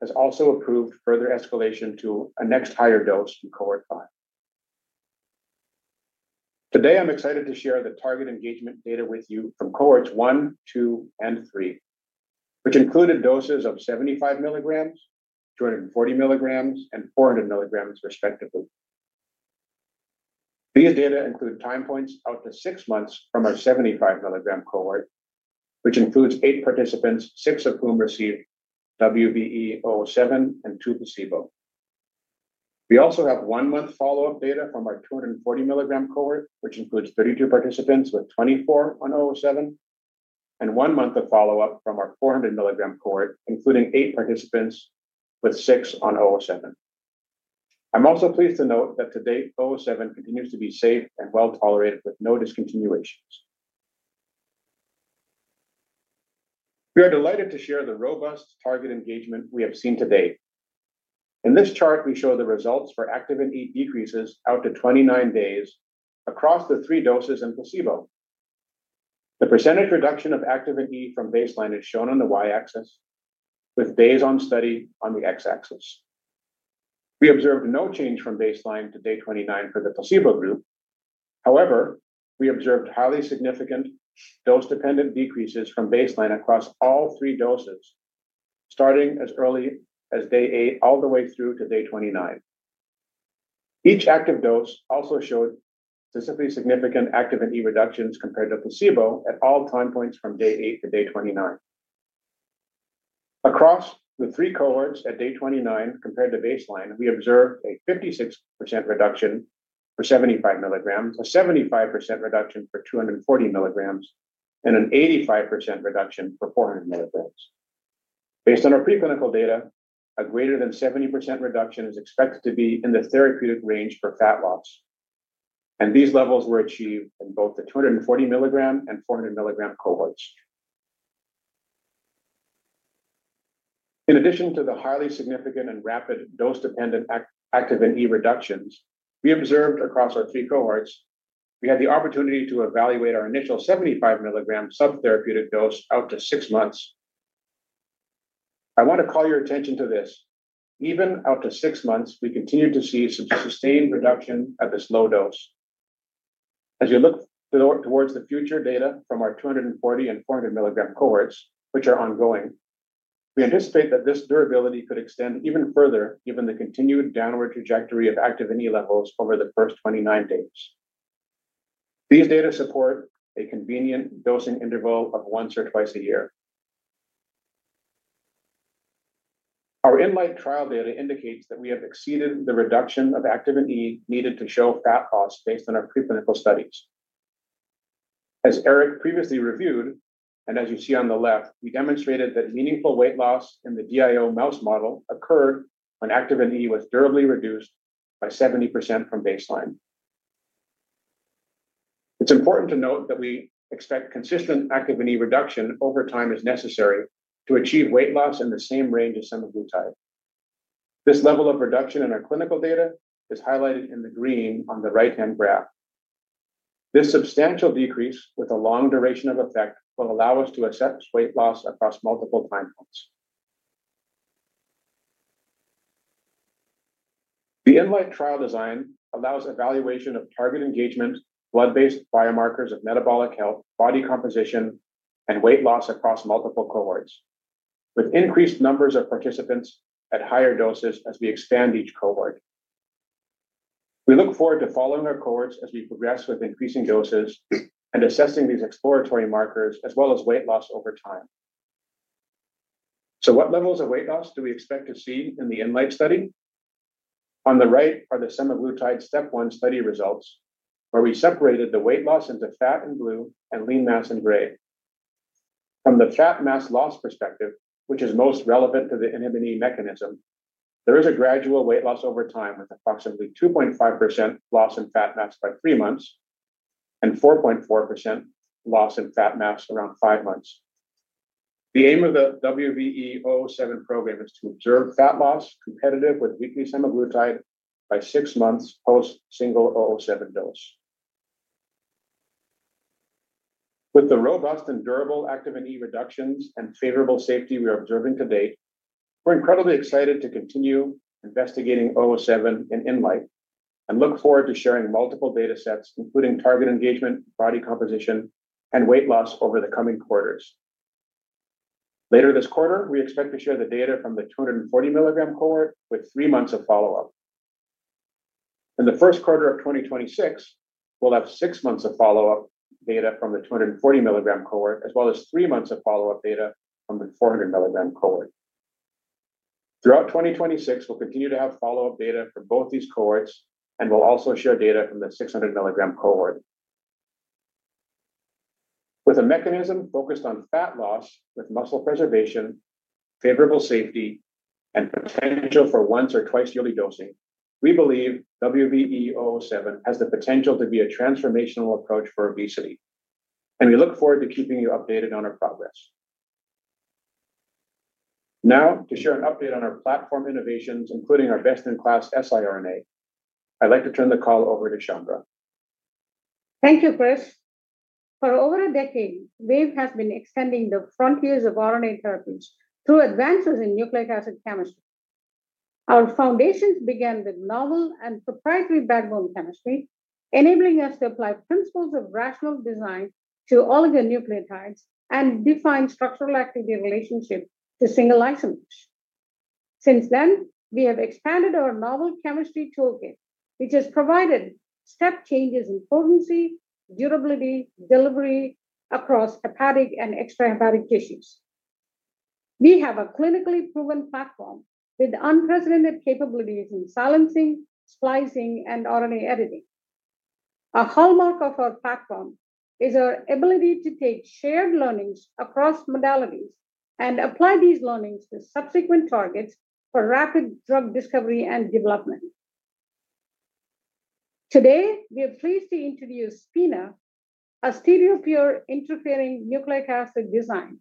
has also approved further escalation to a next higher dose in cohort 5. Today, I'm excited to share the target engagement data with you from cohorts 1, 2, and 3, which included doses of 75 mg, 240 mg, and 400 milligrams, respectively. These data include time points out to six months from our 75 mg cohort, which includes eight participants, six of whom received WVE-007 and two placebo. We also have one-month follow-up data from our 240 mg cohort, which includes 32 participants with 24 on WVE-007, and one month of follow-up from our 400 mg cohort, including eight participants with six on 007. I'm also pleased to note that to date, 007 continues to be safe and well tolerated with no discontinuations. We are delighted to share the robust target engagement we have seen to date. In this chart, we show the results for activin E decreases out to 29 days across the three doses and placebo. The percentage reduction of activin E from baseline is shown on the y-axis, with days on study on the x-axis. We observed no change from baseline to day 29 for the placebo group. However, we observed highly significant dose-dependent decreases from baseline across all three doses, starting as early as day 8 all the way through to day 29. Each active dose also showed specifically significant activin E reductions compared to placebo at all time points from day 8 to day 29. Across the three cohorts at day 29 compared to baseline, we observed a 56% reduction for 75 mg, a 75% reduction for 240 mg, and an 85% reduction for 400 mg. Based on our preclinical data, a greater than 70% reduction is expected to be in the therapeutic range for fat loss, and these levels were achieved in both the 240 milligram and 400 milligram cohorts. In addition to the highly significant and rapid dose-dependent activin E reductions we observed across our three cohorts, we had the opportunity to evaluate our initial 75 mg subtherapeutic dose out to six months. I want to call your attention to this: even out to six months, we continue to see some sustained reduction at this low dose. As we look towards the future data from our 240 and 400 mg cohorts, which are ongoing, we anticipate that this durability could extend even further, given the continued downward trajectory of activin E levels over the first 29 days. These data support a convenient dosing interval of once or twice a year. Our INLIGHT trial data indicates that we have exceeded the reduction of activin E needed to show fat loss based on our preclinical studies. As Erik previously reviewed, and as you see on the left, we demonstrated that meaningful weight loss in the DIO mouse model occurred when activin E was durably reduced by 70% from baseline. It's important to note that we expect consistent activin E reduction over time is necessary to achieve weight loss in the same range as semaglutide. This level of reduction in our clinical data is highlighted in the green on the right-hand graph. This substantial decrease with a long duration of effect will allow us to assess weight loss across multiple time points. The INLIGHT trial design allows evaluation of target engagement, blood-based biomarkers of metabolic health, body composition, and weight loss across multiple cohorts, with increased numbers of participants at higher doses as we expand each cohort. We look forward to following our cohorts as we progress with increasing doses and assessing these exploratory markers, as well as weight loss over time. What levels of weight loss do we expect to see in the INLIGHT trial? On the right are the semaglutide STEP 1 study results, where we separated the weight loss into fat in blue and lean mass in gray. From the fat mass loss perspective, which is most relevant to the INHBE mechanism, there is a gradual weight loss over time, with approximately 2.5% loss in fat mass by three months and 4.4% loss in fat mass around five months. The aim of the WVE-007 program is to observe fat loss competitive with weekly semaglutide by six months post-single 007 dose. With the robust and durable activin E reductions and favorable safety we're observing to date, we're incredibly excited to continue investigating 007 in INLIGHT and look forward to sharing multiple data sets, including target engagement, body composition, and weight loss over the coming quarters. Later this quarter, we expect to share the data from the 240 mg cohort with three months of follow-up. In the first quarter of 2026, we'll have six months of follow-up data from the 240 mg cohort, as well as three months of follow-up data from the 400 mg cohort. Throughout 2026, we'll continue to have follow-up data for both these cohorts and will also share data from the 600 mg cohort. With a mechanism focused on fat loss with muscle preservation, favorable safety, and potential for once or twice yearly dosing, we believe WVE-007 has the potential to be a transformational approach for obesity, and we look forward to keeping you updated on our progress. Now, to share an update on our platform innovations, including our best-in-class siRNA, I'd like to turn the call over to Chandra. Thank you, Chris. For over a decade, Wave Life Sciences has been extending the frontiers of RNA therapies through advances in nucleic acid chemistry. Our foundations began with novel and proprietary backbone chemistry, enabling us to apply principles of rational design to oligonucleotides and define structural activity relationships to single isomers. Since then, we have expanded our novel chemistry toolkit, which has provided step changes in potency, durability, and delivery across hepatic and extrahepatic tissues. We have a clinically proven platform with unprecedented capabilities in silencing, splicing, and RNA editing. A hallmark of our platform is our ability to take shared learnings across modalities and apply these learnings to subsequent targets for rapid drug discovery and development. Today, we are pleased to introduce SPINA, a stereopure interfering nucleic acid design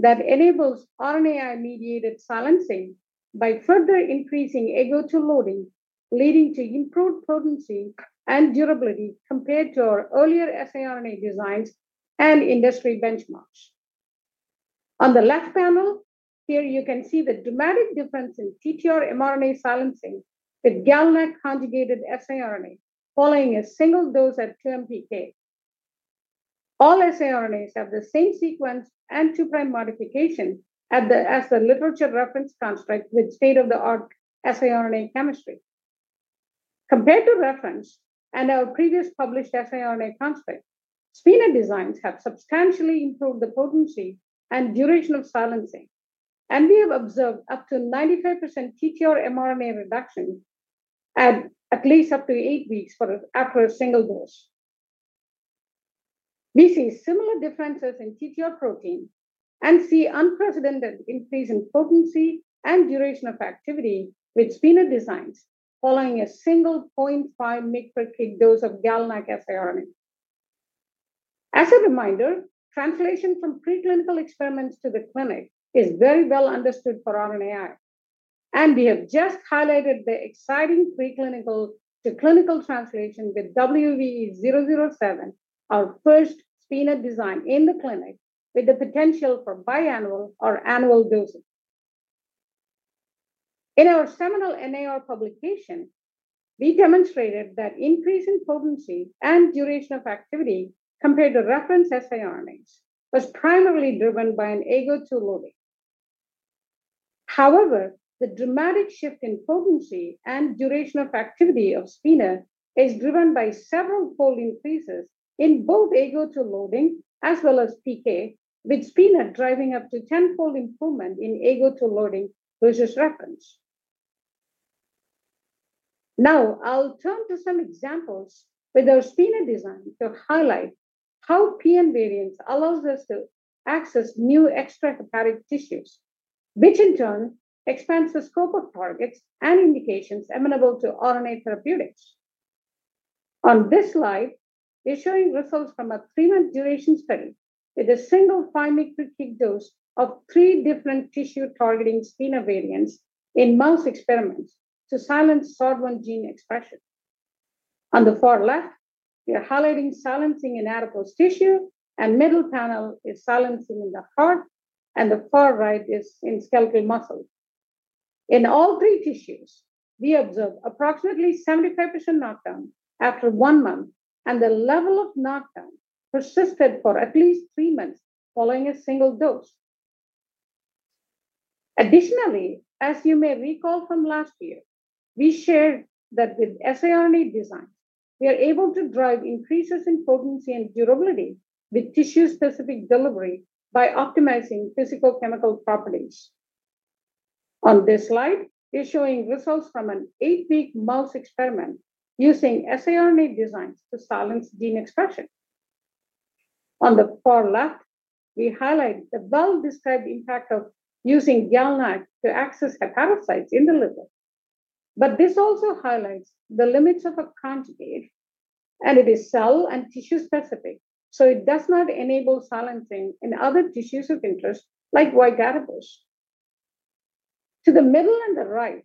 that enables RNAi-mediated silencing by further increasing AGO2 loading, leading to improved potency and durability compared to our earlier siRNA designs and industry benchmarks. On the left panel here, you can see the dramatic difference in TTR mRNA silencing with GalNAc-conjugated siRNA following a single dose at 2 mg/kg. All siRNAs have the same sequence and 2'-prime modification as the literature reference construct with state-of-the-art siRNA chemistry. Compared to reference and our previous published siRNA construct, SPINA designs have substantially improved the potency and duration of silencing, and we have observed up to 95% TTR mRNA reduction at at least up to eight weeks after a single dose. We see similar differences in TTR protein and see unprecedented increase in potency and duration of activity with SPINA designs following a single 0.5 mg/kg dose of GalNAc siRNA. As a reminder, translation from preclinical experiments to the clinic is very well understood for RNAi, and we have just highlighted the exciting preclinical to clinical translation with WVE-007, our first SPINA design in the clinic with the potential for biannual or annual dosing. In our seminal NAR publication, we demonstrated that increase in potency and duration of activity compared to reference siRNAs was primarily driven by an AGO2 loading. However, the dramatic shift in potency and duration of activity of SPINA is driven by several-fold increases in both AGO2 loading as well as PK, with SPINA driving up to tenfold improvement in AGO2 loading versus reference. Now, I'll turn to some examples with our SPINA design to highlight how PM variants allow us to access new extrahepatic tissues, which in turn expands the scope of targets and indications amenable to RNA therapeutics. On this slide, we're showing results from a three-month duration study with a single 5 mg/kg dose of three different tissue targeting SPINA variants in mouse experiments to silence SOD1 gene expression. On the far left, we are highlighting silencing in adipose tissue, the middle panel is silencing in the heart, and the far right is in skeletal muscle. In all three tissues, we observed approximately 75% knockdown after one month, and the level of knockdown persisted for at least three months following a single dose. Additionally, as you may recall from last year, we shared that with siRNA designs, we are able to drive increases in potency and durability with tissue-specific delivery by optimizing physicochemical properties. On this slide, we're showing results from an eight-week mouse experiment using siRNA designs to silence gene expression. On the far left, we highlight the well-described impact of using GalNAc to access hepatocytes in the liver. This also highlights the limits of a conjugate, and it is cell and tissue specific, so it does not enable silencing in other tissues of interest, like white adipose. To the middle and the right,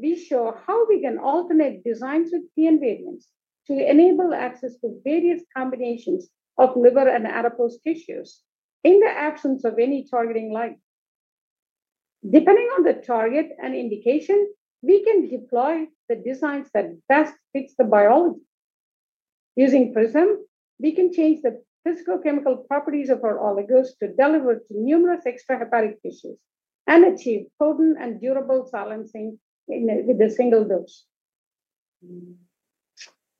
we show how we can alternate designs with PM variants to enable access to various combinations of liver and adipose tissues in the absence of any targeting ligand. Depending on the target and indication, we can deploy the designs that best fit the biology. Using PRISM, we can change the physicochemical properties of our oligonucleotides to deliver to numerous extrahepatic tissues and achieve potent and durable silencing with a single dose.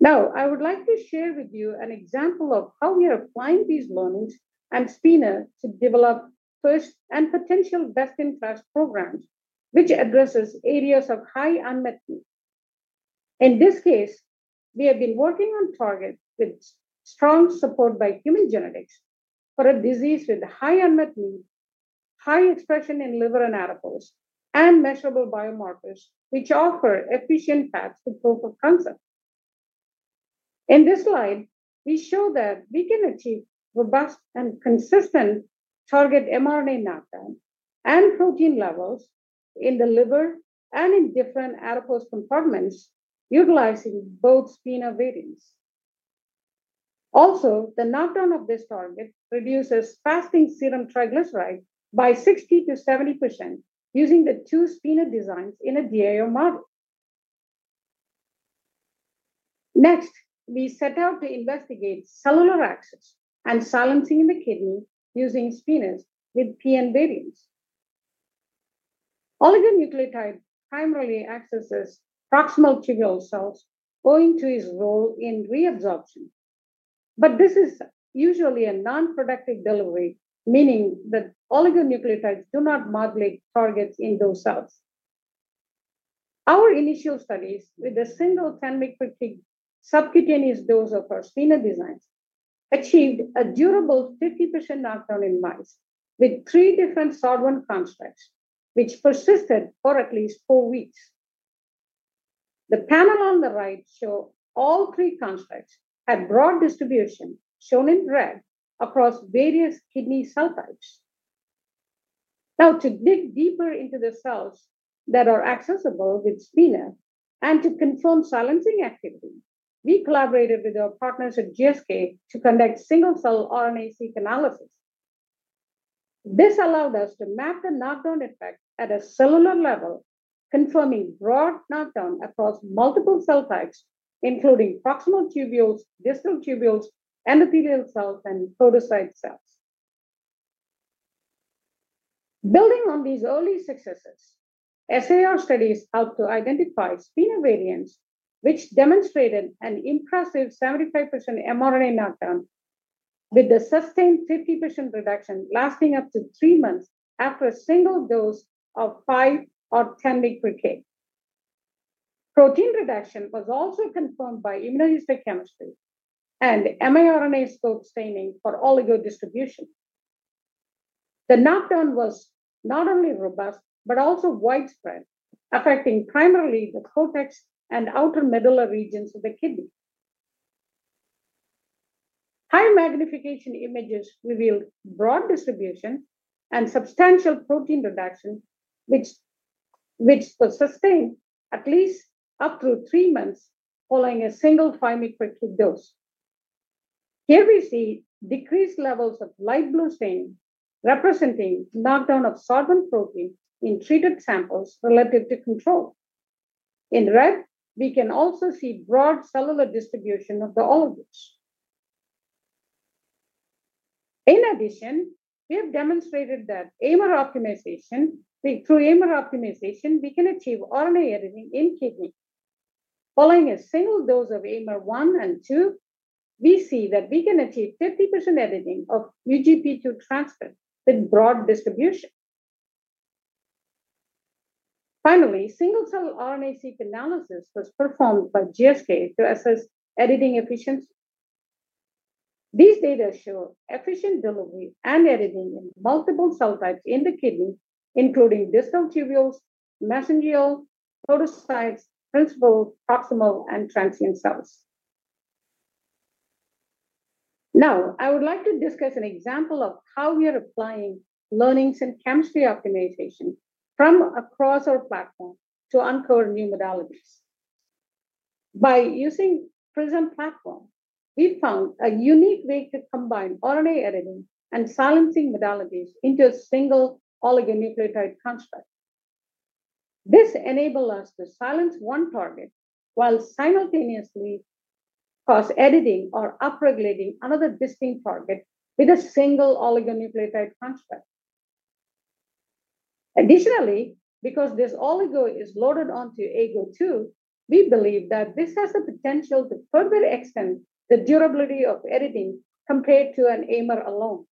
Now, I would like to share with you an example of how we are applying these learnings and SPINA to develop first and potential best-in-class programs, which address areas of high unmet needs. In this case, we have been working on targets with strong support by human genetics for a disease with high unmet need, high expression in liver and adipose, and measurable biomarkers which offer efficient paths to proof of concept. In this slide, we show that we can achieve robust and consistent target mRNA knockdown and protein levels in the liver and in different adipose compartments utilizing both SPINA variants. Also, the knockdown of this target reduces fasting serum triglyceride by 60%-70% using the two SPINA designs in a DIO model. Next, we set out to investigate cellular access and silencing in the kidney using SPINAs with PM variants. Oligonucleotide primarily accesses proximal tubule cells owing to its role in reabsorption, but this is usually a non-productive delivery, meaning that oligonucleotides do not modulate targets in those cells. Our initial studies with a single $10 mg/kg subcutaneous dose of our SPINA designs achieved a durable 50% knockdown in mice with three different SOD1 constructs, which persisted for at least four weeks. The panel on the right shows all three constructs at broad distribution, shown in red, across various kidney cell types. Now, to dig deeper into the cells that are accessible with SPINA and to confirm silencing activity, we collaborated with our partners at GSK to conduct single-cell RNA-seq analysis. This allowed us to map the knockdown effect at a cellular level, confirming broad knockdown across multiple cell types, including proximal tubules, distal tubules, endothelial cells, and podocyte cells. Building on these early successes, SAR studies helped to identify SPINA variants, which demonstrated an impressive 75% mRNA knockdown with a sustained 50% reduction lasting up to three months after a single dose of $5 or $10 mg/kg. Protein reduction was also confirmed by immunohistochemistry and mRNA scope staining for oligodistribution. The knockdown was not only robust but also widespread, affecting primarily the cortex and outer medullary regions of the kidney. High-magnification images revealed broad distribution and substantial protein reduction, which was sustained at least up through three months following a single $5 mg/kg dose. Here we see decreased levels of light blue staining, representing knockdown of SOD1 protein in treated samples relative to control. In red, we can also see broad cellular distribution of the oligos. In addition, we have demonstrated that AMR optimization, through AMR optimization, we can achieve RNA editing in kidney. Following a single dose of AMR 1 and 2, we see that we can achieve 50% editing of UGP2 transcript with broad distribution. Finally, single-cell RNA-seq analysis was performed by GSK to assess editing efficiency. These data show efficient delivery and editing in multiple cell types in the kidney, including distal tubules, mesangial, podocytes, principal, proximal, and transient cells. Now, I would like to discuss an example of how we are applying learnings in chemistry optimization from across our platform to uncover new modalities. By using the PRISM platform, we found a unique way to combine RNA editing and silencing modalities into a single oligonucleotide construct. This enabled us to silence one target while simultaneously editing or upregulating another distinct target with a single oligonucleotide construct. Additionally, because this oligo is loaded onto AGO2, we believe that this has the potential to further extend the durability of editing compared to an AMR alone.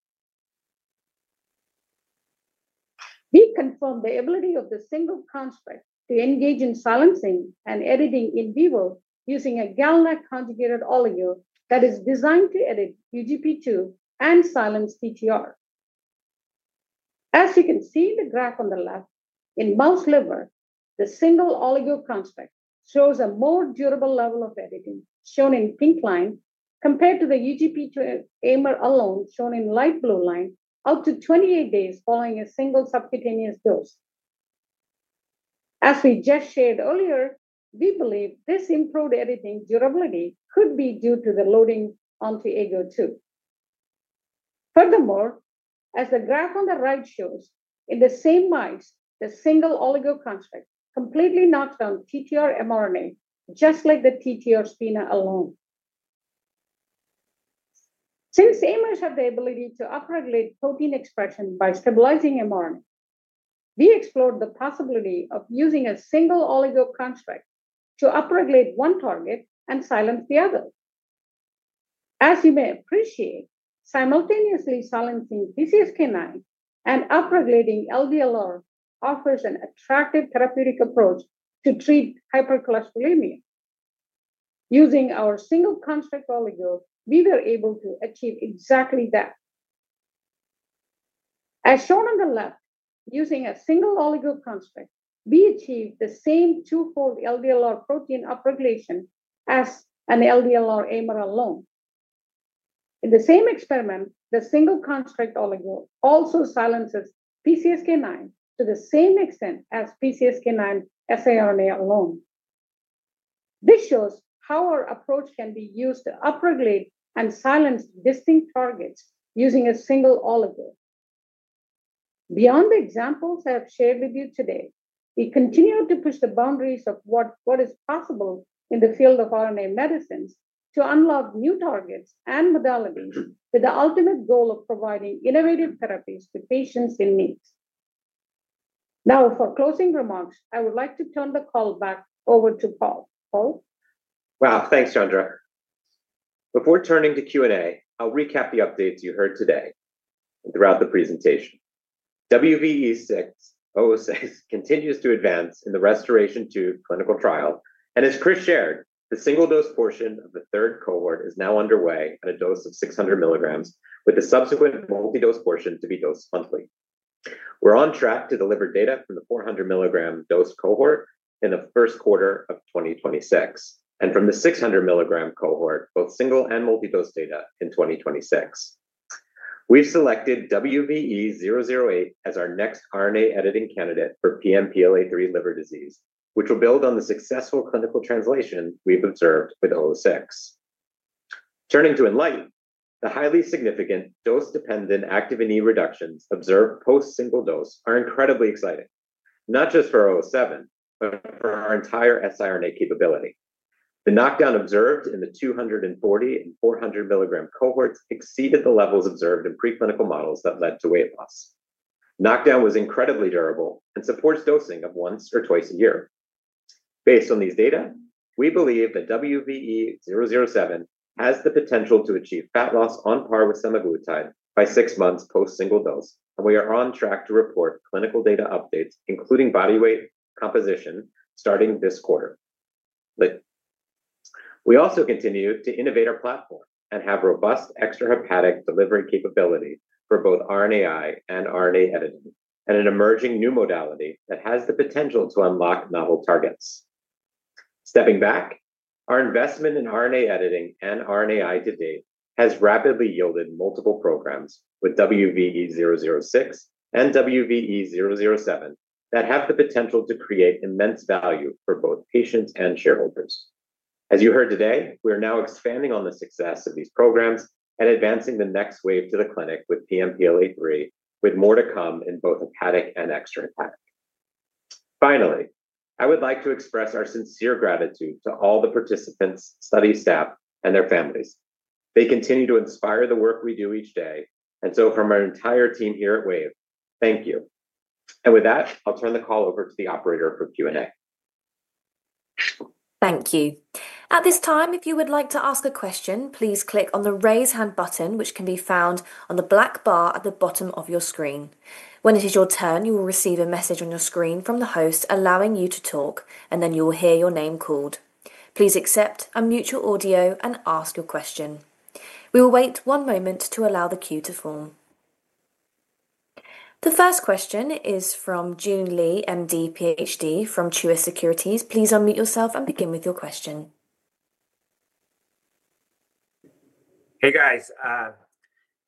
We confirmed the ability of the single construct to engage in silencing and editing in vivo using a GalNAc-conjugated oligo that is designed to edit UGP2 and silence TTR. As you can see in the graph on the left, in mouse liver, the single oligo construct shows a more durable level of editing, shown in the pink line, compared to the UGP2 AMR alone, shown in the light blue line, up to 28 days following a single subcutaneous dose. As we just shared earlier, we believe this improved editing durability could be due to the loading onto AGO2. Furthermore, as the graph on the right shows, in the same mice, the single oligo construct completely knocked down TTR mRNA, just like the TTR SPINA alone. Since AMRs have the ability to upregulate protein expression by stabilizing mRNA, we explored the possibility of using a single oligo construct to upregulate one target and silence the other. As you may appreciate, simultaneously silencing PCSK9 and upregulating LDLR offers an attractive therapeutic approach to treat hypercholesterolemia. Using our single construct oligo, we were able to achieve exactly that. As shown on the left, using a single oligo construct, we achieved the same twofold LDLR protein upregulation as an LDLR AMR alone. In the same experiment, the single construct oligo also silences PCSK9 to the same extent as PCSK9 siRNA alone. This shows how our approach can be used to upregulate and silence distinct targets using a single oligo. Beyond the examples I have shared with you today, we continue to push the boundaries of what is possible in the field of RNA medicines to unlock new targets and modalities with the ultimate goal of providing innovative therapies to patients in need. Now, for closing remarks, I would like to turn the call back over to Paul. Paul? Wow. Thanks, Chandra. Before turning to Q&A, I'll recap the updates you heard today and throughout the presentation. WVE-006 continues to advance in the RestorAATion-2 clinical trial, and as Chris shared, the single dose portion of the third cohort is now underway at a dose of 600 mg, with a subsequent multi-dose portion to be dosed monthly. We're on track to deliver data from the 400 mg dose cohort in the first quarter of 2026 and from the 600 mg cohort, both single and multi-dose data in 2026. We've selected WVE-008 as our next RNA editing candidate for PNPLA3 liver disease, which will build on the successful clinical translation we've observed with WVE-006. Turning to INLIGHT, the highly significant dose-dependent activin E reductions observed post-single dose are incredibly exciting, not just for WVE-007 but for our entire siRNA capability. The knockdown observed in the 240 and 400 mg cohorts exceeded the levels observed in preclinical models that led to weight loss. Knockdown was incredibly durable and supports dosing of once or twice a year. Based on these data, we believe that WVE-007 has the potential to achieve fat loss on par with semaglutide by six months post-single dose, and we are on track to report clinical data updates, including body weight composition, starting this quarter. We also continue to innovate our platform and have robust extrahepatic delivery capability for both RNAi and RNA editing and an emerging new modality that has the potential to unlock novel targets. Stepping back, our investment in RNA editing and RNAi to date has rapidly yielded multiple programs with WVE-006 and WVE-007 that have the potential to create immense value for both patients and shareholders. As you heard today, we are now expanding on the success of these programs and advancing the next wave to the clinic with PNPLA3, with more to come in both hepatic and extrahepatic. Finally, I would like to express our sincere gratitude to all the participants, study staff, and their families. They continue to inspire the work we do each day, and from our entire team here at Wave, thank you. With that, I'll turn the call over to the operator for Q&A. Thank you. At this time, if you would like to ask a question, please click on the raise hand button, which can be found on the black bar at the bottom of your screen. When it is your turn, you will receive a message on your screen from the host allowing you to talk, and then you will hear your name called. Please accept a mutual audio and ask your question. We will wait one moment to allow the queue to form. The first question is from Joon Lee, MD, PhD from Truist Securities. Please unmute yourself and begin with your question. Hey, guys.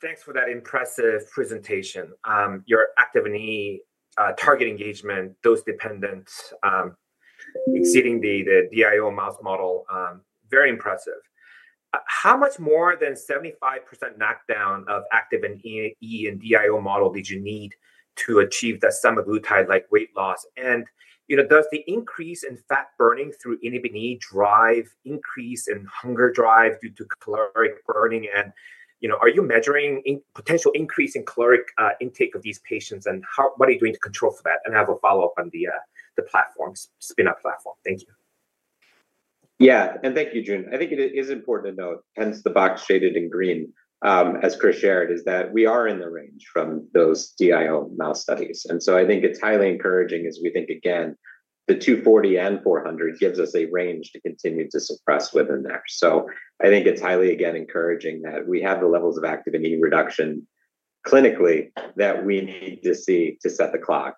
Thanks for that impressive presentation. Your activin E target engagement, dose dependent, exceeding the DIO mouse model, very impressive. How much more than 75% knockdown of activin E in the DIO model did you need to achieve that semaglutide-like weight loss? Does the increase in fat burning through INHBE drive increase in hunger drive due to caloric burning? Are you measuring potential increase in caloric intake of these patients? What are you doing to control for that? I have a follow-up on the platforms, SPINA platform. Thank you. Yeah, and thank you, Joon. I think it is important to note, hence the box shaded in green, as Chris shared, is that we are in the range from those DIO mouse studies. I think it's highly encouraging as we think, again, the 240 and 400 gives us a range to continue to suppress within there. I think it's highly, again, encouraging that we have the levels of activin E reduction clinically that we need to see to set the clock.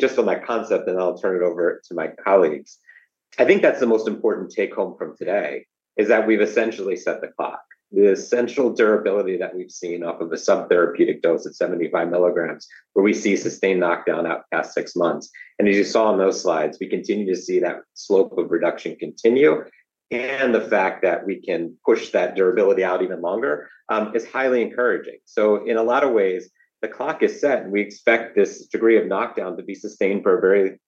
Just on that concept, I'll turn it over to my colleagues. I think that's the most important take home from today, that we've essentially set the clock. The essential durability that we've seen off of a subtherapeutic dose at 75 mg, where we see sustained knockdown out past six months. As you saw in those slides, we continue to see that slope of reduction continue. The fact that we can push that durability out even longer is highly encouraging. In a lot of ways, the clock is set, and we expect this degree of knockdown to be sustained for a very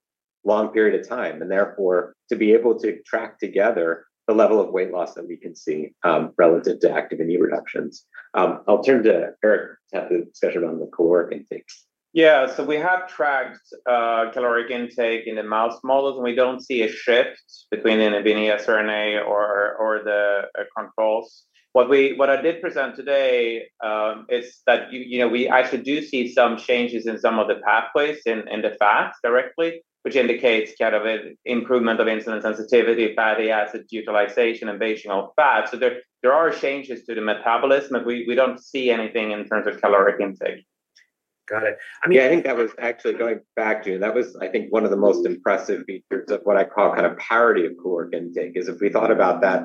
long period of time, and therefore to be able to track together the level of weight loss that we can see relative to activin E reductions. I'll turn to Erik to have the discussion on the caloric intake. Yeah, so we have tracked caloric intake in the mouse models, and we don't see a shift between INHBE siRNA or the controls. What I did present today is that I actually do see some changes in some of the pathways in the fat directly, which indicates kind of an improvement of insulin sensitivity, fatty acid utilization, and basing off fat. There are changes to the metabolism, but we don't see anything in terms of caloric intake. Got it. I mean, I think that was actually going back, Joon, that was, I think, one of the most impressive features of what I call kind of parity of caloric intake, is if we thought about that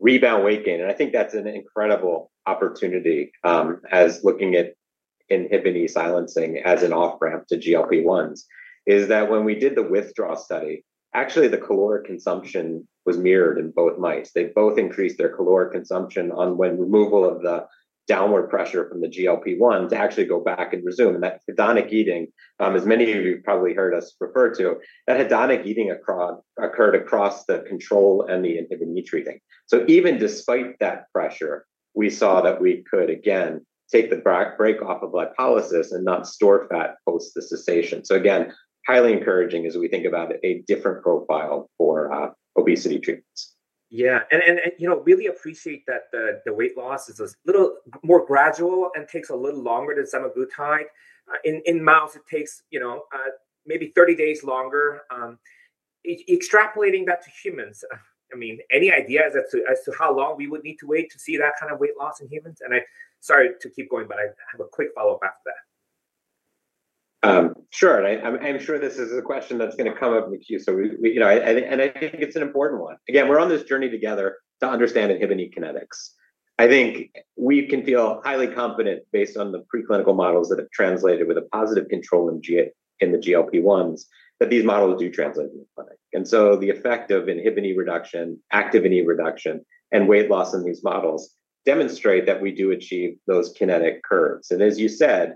rebound weight gain. I think that's an incredible opportunity as looking at INHBE silencing as an off-ramp to GLP-1s, is that when we did the withdrawal study, actually the caloric consumption was mirrored in both mice. They both increased their caloric consumption when removal of the downward pressure from the GLP-1 to actually go back and resume. That hedonic eating, as many of you have probably heard us refer to, that hedonic eating occurred across the control and the INHBE treating. Even despite that pressure, we saw that we could, again, take the brake off of lipolysis and not store fat post the cessation. Highly encouraging as we think about a different profile for obesity treatments. Yeah, you know, really appreciate that the weight loss is a little more gradual and takes a little longer than semaglutide. In mouse, it takes maybe 30 days longer. Extrapolating that to humans, I mean, any idea as to how long we would need to wait to see that kind of weight loss in humans? I'm sorry to keep going, but I have a quick follow-up after that. Sure, and I'm sure this is a question that's going to come up in the queue. I think it's an important one. Again, we're on this journey together to understand INHBE kinetics. I think we can feel highly confident based on the preclinical models that have translated with a positive control in the GLP-1 receptor agonists that these models do translate in the clinic. The effect of INHBE reduction, activin E reduction, and weight loss in these models demonstrate that we do achieve those kinetic curves. As you said,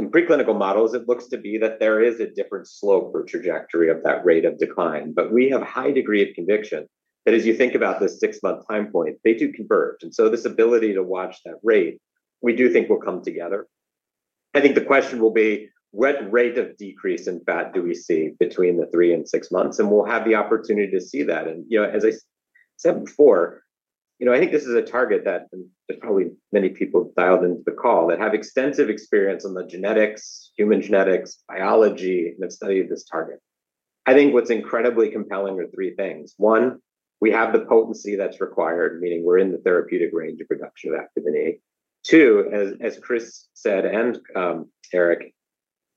in preclinical models, it looks to be that there is a different slope or trajectory of that rate of decline. We have a high degree of conviction that as you think about this six-month time point, they do converge. This ability to watch that rate, we do think will come together. I think the question will be, what rate of decrease in fat do we see between the three and six months? We'll have the opportunity to see that. As I said before, I think this is a target that are probably many people dialed into the call that have extensive experience in genetics, human genetics, biology, and have studied this target. I think what's incredibly compelling are three things. One, we have the potency that's required, meaning we're in the therapeutic range of reduction of activity. Two, as Chris said and Erik,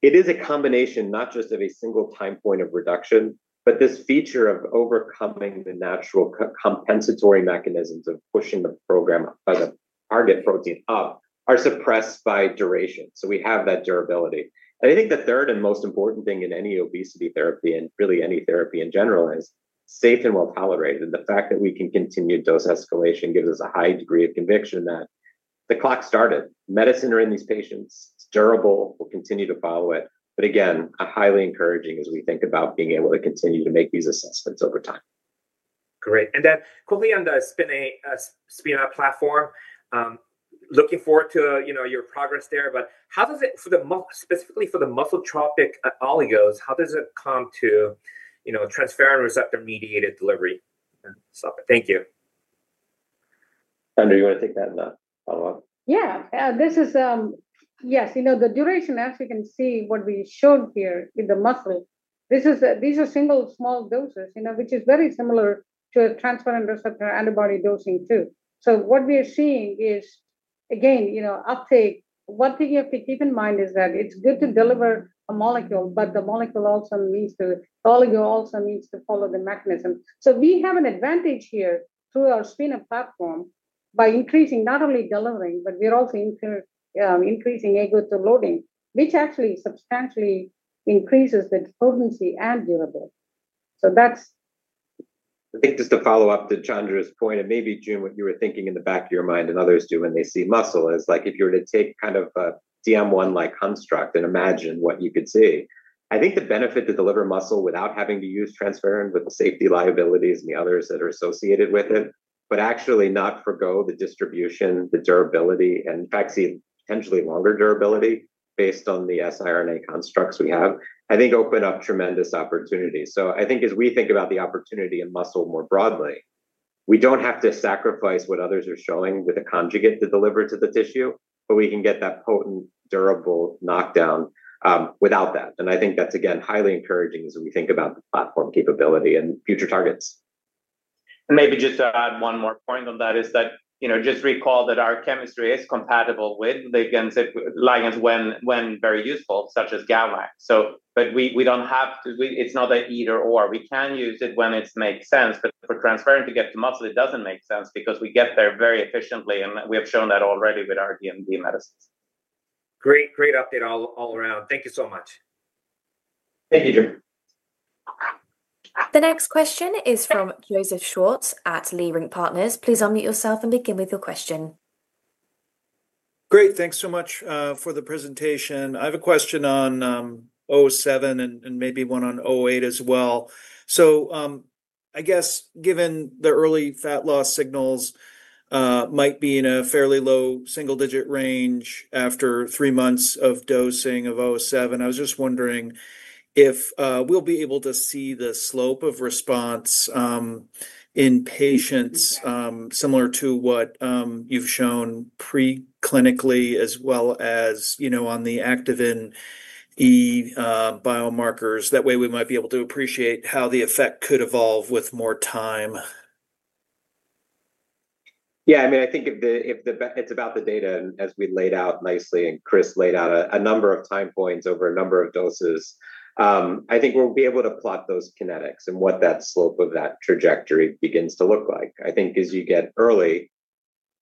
it is a combination not just of a single time point of reduction, but this feature of overcoming the natural compensatory mechanisms of pushing the program of the target protein up are suppressed by duration. We have that durability. I think the third and most important thing in any obesity therapy and really any therapy in general is safe and well tolerated. The fact that we can continue dose escalation gives us a high degree of conviction that the clock started. Medicine are in these patients. It's durable. We'll continue to follow it. Again, I'm highly encouraging as we think about being able to continue to make these assessments over time. Great. That Kohli on the SPINA platform, looking forward to your progress there. How does it, specifically for the muscle trophic oligos, come to transferrin receptor mediated delivery? Thank you. Chandra, you want to take that follow-up? Yes, you know the duration, as you can see what we showed here in the muscle, these are single small doses, which is very similar to a transferrin receptor antibody dosing too. What we are seeing is, again, uptake. One thing you have to keep in mind is that it's good to deliver a molecule, but the molecule also needs to, the oligo also needs to follow the mechanism. We have an advantage here through our SPINA platform by increasing not only delivering, but we're also increasing agonistic loading, which actually substantially increases the potency and durability. I think just to follow up to Chandra's point and maybe, Joon, what you were thinking in the back of your mind and others do when they see muscle is like if you were to take kind of a DM1-like construct and imagine what you could see. I think the benefit to deliver muscle without having to use transferrin with the safety liabilities and the others that are associated with it, but actually not forgo the distribution, the durability, and in fact, see potentially longer durability based on the siRNA constructs we have, open up tremendous opportunities. I think as we think about the opportunity in muscle more broadly, we don't have to sacrifice what others are showing with a conjugate to deliver to the tissue, but we can get that potent, durable knockdown without that. I think that's, again, highly encouraging as we think about the platform capability and future targets. Maybe just to add one more point on that is that just recall that our chemistry is compatible with ligands when very useful, such as GalNAc. We don't have to, it's not an either/or. We can use it when it makes sense. For transferrin to get to muscle, it doesn't make sense because we get there very efficiently, and we have shown that already with our DMD medicines. Great, great update all around. Thank you so much. Thank you, Joon. The next question is from Joseph Schwartz at Leerink Partners. Please unmute yourself and begin with your question. Great. Thanks so much for the presentation. I have a question on 007 and maybe one on 008 as well. Given the early fat loss signals might be in a fairly low single-digit percent range after three months of dosing of 007, I was just wondering if we'll be able to see the slope of response in patients similar to what you've shown preclinically as well as on the activin E biomarkers. That way, we might be able to appreciate how the effect could evolve with more time. Yeah. I mean, I think if it's about the data and as we laid out nicely and Chris Wright laid out a number of time points over a number of doses, I think we'll be able to plot those kinetics and what that slope of that trajectory begins to look like. I think as you get early,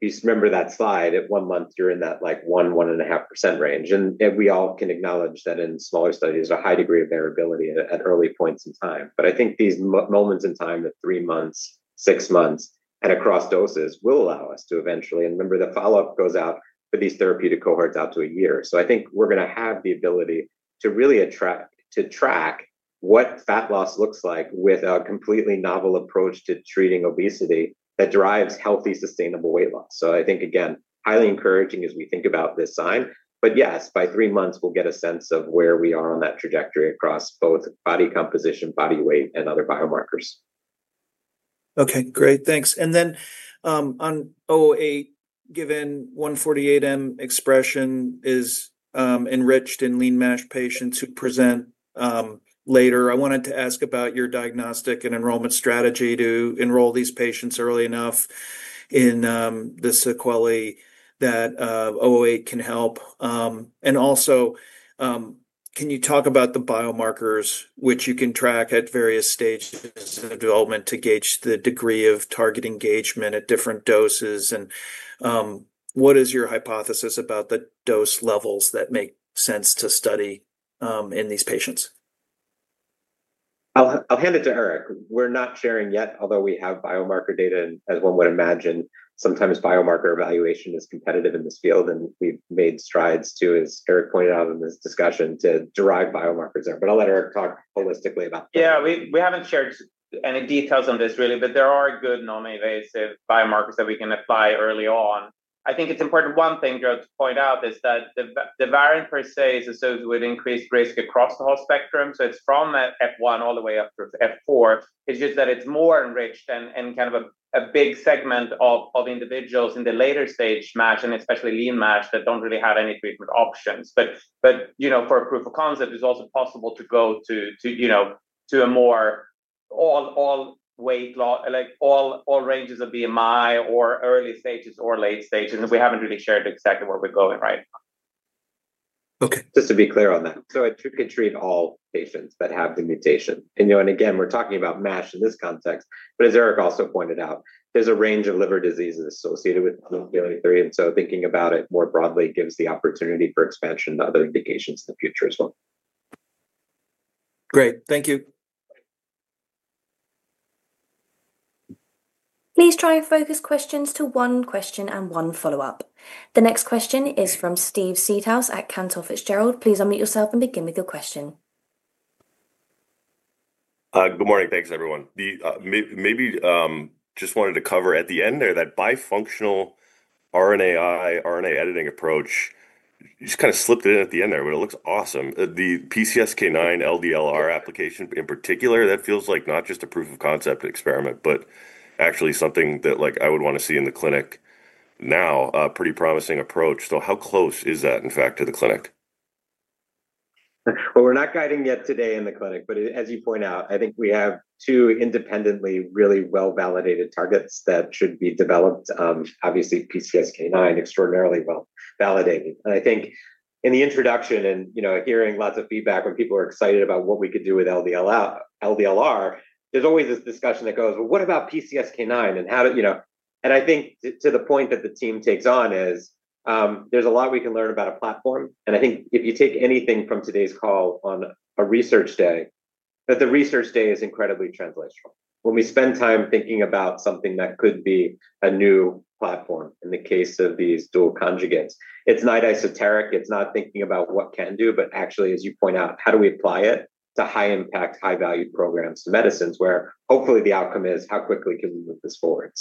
if you remember that slide, at one month, you're in that like 1, 1.5% range. We all can acknowledge that in smaller studies, a high degree of variability at early points in time. I think these moments in time at three months, six months, and across doses will allow us to eventually, and remember the follow-up goes out for these therapeutic cohorts out to a year. I think we're going to have the ability to really track what fat loss looks like with a completely novel approach to treating obesity that drives healthy, sustainable weight loss. I think, again, highly encouraging as we think about this sign. Yes, by three months, we'll get a sense of where we are on that trajectory across both body composition, body weight, and other biomarkers. OK, great. Thanks. On 008, given PNPLA3 I148M expression is enriched in lean-NASH patients who present later, I wanted to ask about your diagnostic and enrollment strategy to enroll these patients early enough in the sequelae that 008 can help. Also, can you talk about the biomarkers which you can track at various stages of development to gauge the degree of target engagement at different doses? What is your hypothesis about the dose levels that make sense to study in these patients? I'll hand it to Erik. We're not sharing yet, although we have biomarker data. As one would imagine, sometimes biomarker evaluation is competitive in this field. We've made strides to, as Erik pointed out in this discussion, derive biomarkers there. I'll let Erik talk holistically about that. Yeah, we haven't shared any details on this really. There are good non-invasive biomarkers that we can apply early on. I think it's important. One thing to point out is that the variant per se is associated with increased risk across the whole spectrum, from F1 all the way up to F4. It's just that it's more enriched in kind of a big segment of individuals in the later stage match and especially lean match that don't really have any treatment options. For a proof of concept, it's also possible to go to more all ranges of BMI or early stages or late stages. We haven't really shared exactly where we're going right now. OK. Just to be clear on that, it could treat all patients that have the mutation. Again, we're talking about MASH in this context. As Erik also pointed out, there's a range of liver diseases associated with therapy, so thinking about it more broadly gives the opportunity for expansion to other indications in the future as well. Great. Thank you. Please try and focus questions to one question and one follow-up. The next question is from Steve Seedhouse at Cantor Fitzgerald. Please unmute yourself and begin with your question. Good morning. Thanks, everyone. Maybe just wanted to cover at the end there that bifunctional RNAi RNA editing approach. You just kind of slipped it in at the end there. It looks awesome. The PCSK9 LDLR application in particular, that feels like not just a proof of concept experiment, but actually something that I would want to see in the clinic now. Pretty promising approach. How close is that, in fact, to the clinic? We're not guiding yet today in the clinic. As you point out, I think we have two independently really well-validated targets that should be developed. Obviously, PCSK9 is extraordinarily well validated. I think in the introduction and hearing lots of feedback when people are excited about what we could do with LDLR, there's always this discussion that goes, what about PCSK9? I think to the point that the team takes on is there's a lot we can learn about a platform. I think if you take anything from today's call on a research day, that the research day is incredibly translational. When we spend time thinking about something that could be a new platform in the case of these dual conjugates, it's not esoteric. It's not thinking about what we can do, but actually, as you point out, how do we apply it to high-impact, high-value programs to medicines where hopefully the outcome is how quickly can we move this forward?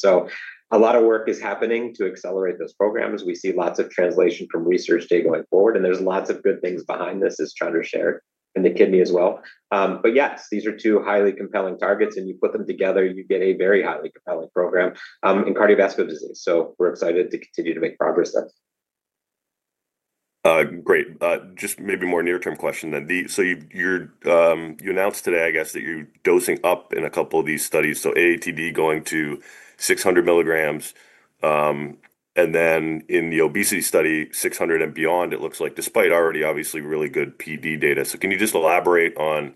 A lot of work is happening to accelerate those programs. We see lots of translation from research day going forward. There are lots of good things behind this, as Chandra shared, in the kidney as well. These are two highly compelling targets. You put them together, you get a very highly compelling program in cardiovascular disease. We're excited to continue to make progress there. Great. Just maybe a more near-term question then. You announced today, I guess, that you're dosing up in a couple of these studies. AATD going to 600 mg, and then in the obesity study, 600 and beyond. It looks like despite already obviously really good PD data. Can you just elaborate on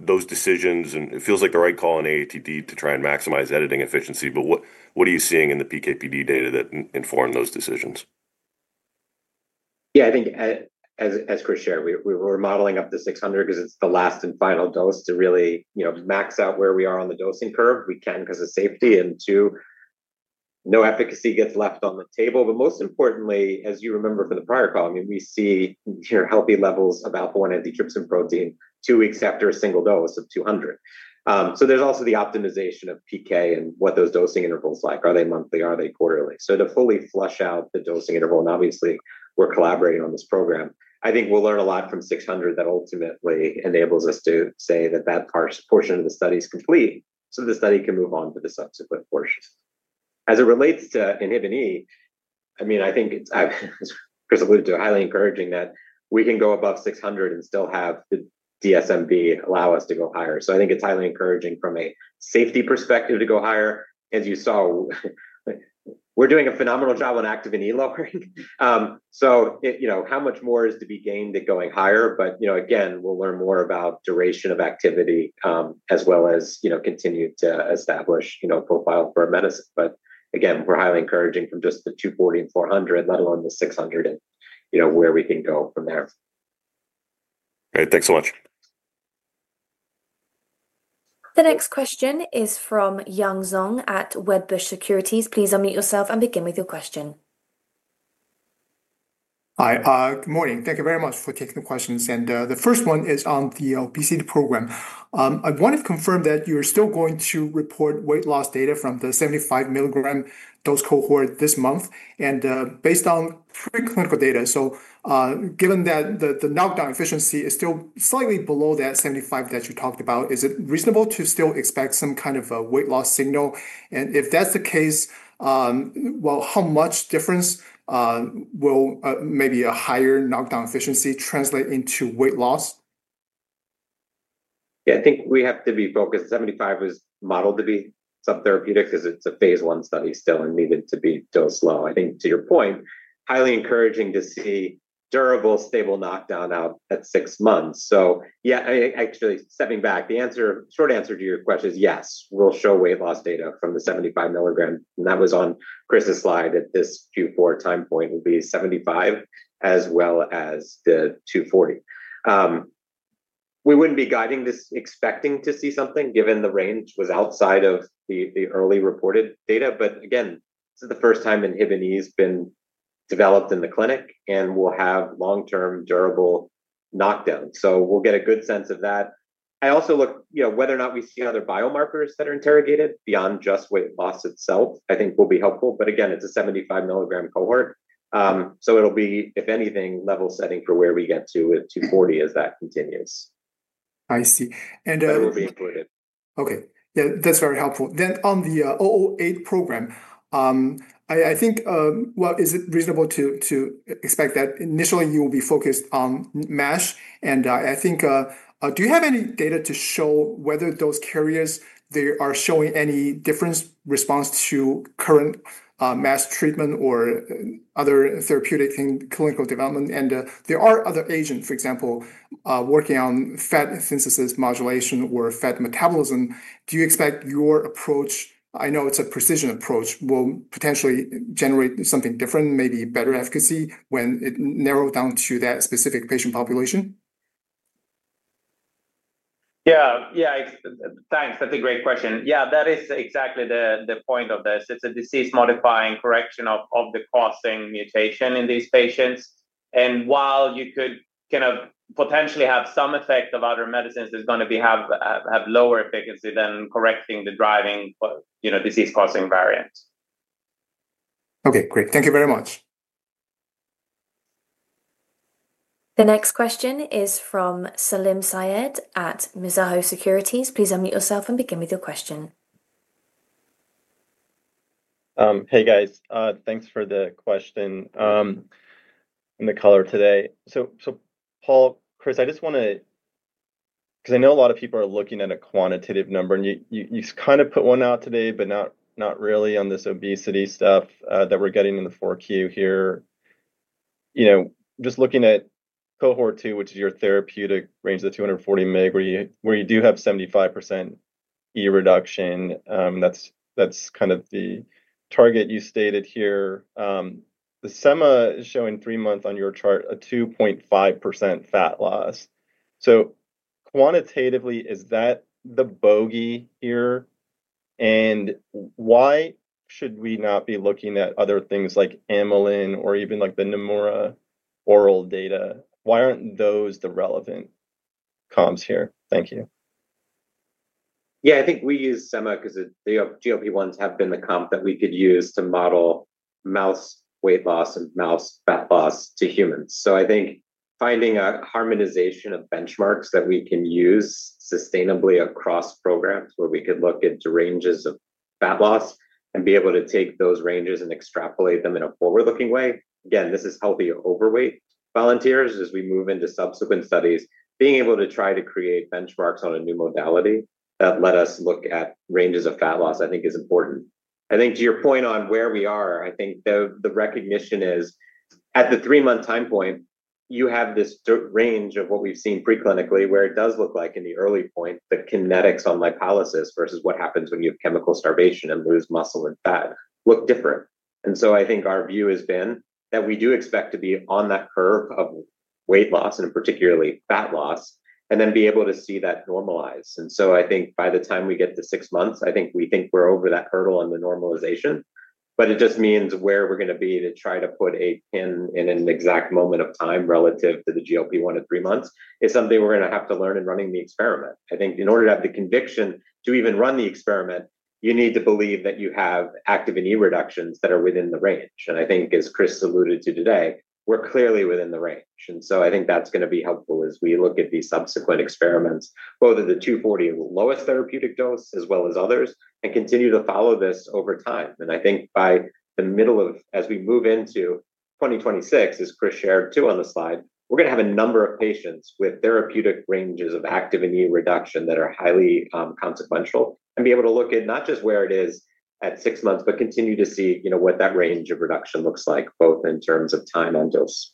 those decisions? It feels like the right call in AATD to try and maximize editing efficiency. What are you seeing in the PK/PD data that inform those decisions? Yeah, I think as Chris shared, we're modeling up to 600 because it's the last and final dose to really max out where we are on the dosing curve. We can because of safety. Two, no efficacy gets left on the table. Most importantly, as you remember from the prior call, we see healthy levels of alpha-1 antitrypsin protein two weeks after a single dose of 200. There's also the optimization of PK and what those dosing intervals are like. Are they monthly? Are they quarterly? To fully flush out the dosing interval. Obviously, we're collaborating on this program. I think we'll learn a lot from 600 that ultimately enables us to say that that portion of the study is complete so the study can move on to the subsequent portion. As it relates to INHBE, I think Chris alluded to highly encouraging that we can go above 600 and still have the DSMB allow us to go higher. I think it's highly encouraging from a safety perspective to go higher. As you saw, we're doing a phenomenal job on activin E lowering. How much more is to be gained at going higher? Again, we'll learn more about duration of activity as well as continue to establish profile for a medicine. Again, we're highly encouraging from just the 240 and 400, let alone the 600, and where we can go from there. Great, thanks so much. The next question is from Yun Zhong at Wedbush Securities. Please unmute yourself and begin with your question. Hi. Good morning. Thank you very much for taking the questions. The first one is on the obesity program. I want to confirm that you're still going to report weight loss data from the 75 mg dose cohort this month. Based on preclinical data, given that the knockdown efficiency is still slightly below that 75% that you talked about, is it reasonable to still expect some kind of a weight loss signal? If that's the case, how much difference will maybe a higher knockdown efficiency translate into weight loss? Yeah, I think we have to be focused. 75 is modeled to be subtherapeutic because it's a phase one study still and needed to be dosed low. I think to your point, highly encouraging to see durable, stable knockdown out at six months. Actually, stepping back, the short answer to your question is yes, we'll show weight loss data from the 75 milligram. That was on Chris's slide at this Q4 time point, would be 75 as well as the 240. We wouldn't be guiding this expecting to see something given the range was outside of the early reported data. This is the first time inhibin E has been developed in the clinic. We'll have long-term durable knockdown, so we'll get a good sense of that. I also look at whether or not we see other biomarkers that are interrogated beyond just weight loss itself, which I think will be helpful. This is a 75 milligram cohort, so it'll be, if anything, level setting for where we get to with 240 as that continues. I see. That will be included. OK. Yeah, that's very helpful. On the 008 program, is it reasonable to expect that initially you will be focused on MASH? Do you have any data to show whether those carriers are showing any different response to current MASH treatment or other therapeutic clinical development? There are other agents, for example, working on fat synthesis modulation or fat metabolism. Do you expect your approach—I know it's a precision approach—will potentially generate something different, maybe better efficacy when it is narrowed down to that specific patient population? Yeah, that's a great question. That is exactly the point of this. It's a disease-modifying correction of the causing mutation in these patients. While you could kind of potentially have some effect of other medicines, it's going to have lower efficacy than correcting the driving disease-causing variant. OK, great. Thank you very much. The next question is from Salim Syed at Mizuho Securities. Please unmute yourself and begin with your question. Hey, guys. Thanks for the question and the color today. Paul, Chris, I just want to because I know a lot of people are looking at a quantitative number. You kind of put one out today, but not really on this obesity stuff that we're getting in the 4Q here. Just looking at cohort two, which is your therapeutic range of the 240 mg, where you do have 75% E reduction, that's kind of the target you stated here. The SEMA is showing three months on your chart a 2.5% fat loss. Quantitatively, is that the bogey here? Why should we not be looking at other things like Amylin or even like the Nomura oral data? Why aren't those the relevant comps here? Thank you. Yeah, I think we use SEMA because the GLP-1s have been the comp that we could use to model mouse weight loss and mouse fat loss to humans. I think finding a harmonization of benchmarks that we can use sustainably across programs where we could look at the ranges of fat loss and be able to take those ranges and extrapolate them in a forward-looking way. This is healthy overweight volunteers. As we move into subsequent studies, being able to try to create benchmarks on a new modality that let us look at ranges of fat loss, I think, is important. To your point on where we are, the recognition is at the three-month time point, you have this range of what we've seen preclinically where it does look like in the early point, the kinetics on lipolysis versus what happens when you have chemical starvation and lose muscle and fat look different. I think our view has been that we do expect to be on that curve of weight loss and particularly fat loss and then be able to see that normalize. I think by the time we get to six months, we think we're over that hurdle on the normalization. It just means where we're going to be to try to put a pin in an exact moment of time relative to the GLP-1 at three months is something we're going to have to learn in running the experiment. In order to have the conviction to even run the experiment, you need to believe that you have activin E reductions that are within the range. As Chris alluded to today, we're clearly within the range. I think that's going to be helpful as we look at these subsequent experiments, both at the 240 lowest therapeutic dose as well as others, and continue to follow this over time. I think by the middle of as we move into 2026, as Chris shared too on the slide, we're going to have a number of patients with therapeutic ranges of activin E reduction that are highly consequential and be able to look at not just where it is at six months, but continue to see what that range of reduction looks like both in terms of time and dose.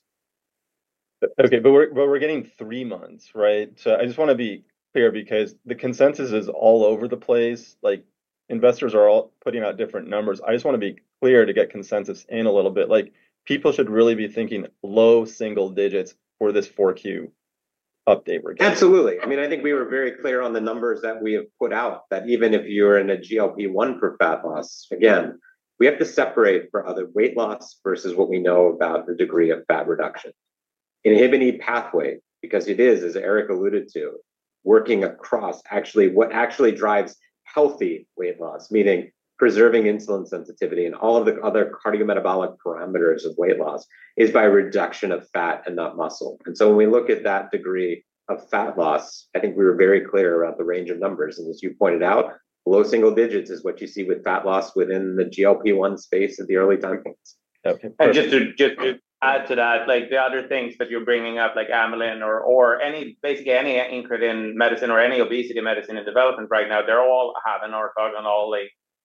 OK, we're getting three months, right? I just want to be clear because the consensus is all over the place. Investors are all putting out different numbers. I just want to be clear to get consensus in a little bit. People should really be thinking low single digits for this 4Q update we're getting. Absolutely. I mean, I think we were very clear on the numbers that we have put out that even if you are in a GLP-1 for fat loss, again, we have to separate for other weight loss versus what we know about the degree of fat reduction. INHBE pathway, because it is, as Erik alluded to, working across actually what actually drives healthy weight loss, meaning preserving insulin sensitivity and all of the other cardiometabolic parameters of weight loss, is by reduction of fat and not muscle. When we look at that degree of fat loss, I think we were very clear about the range of numbers. As you pointed out, low single digits is what you see with fat loss within the GLP-1 space at the early time points. To add to that, like the other things that you're bringing up, like Amylin or basically any incretin medicine or any obesity medicine in development right now, they're all having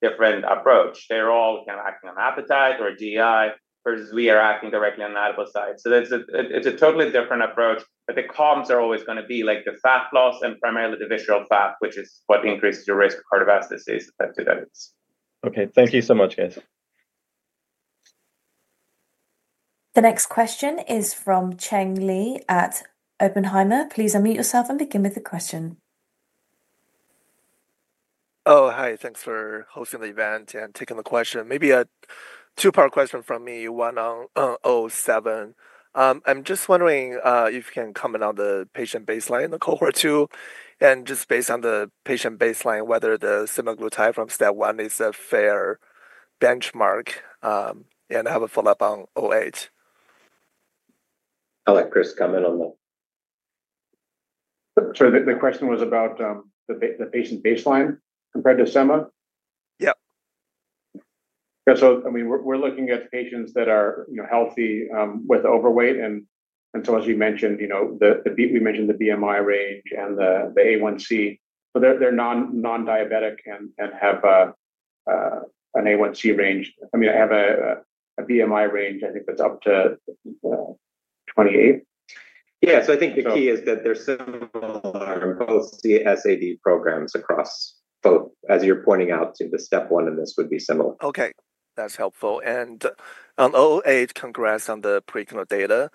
a different approach. They're all kind of acting on appetite or GI versus we are acting directly on the edible side. It is a totally different approach. The comps are always going to be like the fat loss and primarily the visceral fat, which is what increases your risk of cardiovascular disease. OK, thank you so much, guys. The next question is from Cheng Li at Oppenheimer. Please unmute yourself and begin with the question. Oh, hi. Thanks for hosting the event and taking the question. Maybe a two-part question from me, one on 007. I'm just wondering if you can comment on the patient baseline in the cohort two, and just based on the patient baseline, whether t he semaglutide from STEP 1 is a fair benchmark. I have a follow-up on 008. I'll let Chris come in on that. The question was about the patient baseline compared to SEMA. Yeah. Yeah, we're looking at patients that are healthy with overweight. As you mentioned, we mentioned the BMI range and the A1C. They're non-diabetic and have an A1C range. I have a BMI range, I think, that's up to 28. I think the key is that they're similar, both CSAD programs across both, as you're pointing out, to the step one. This would be similar. OK, that's helpful. On 008, congrats on the preclinical data.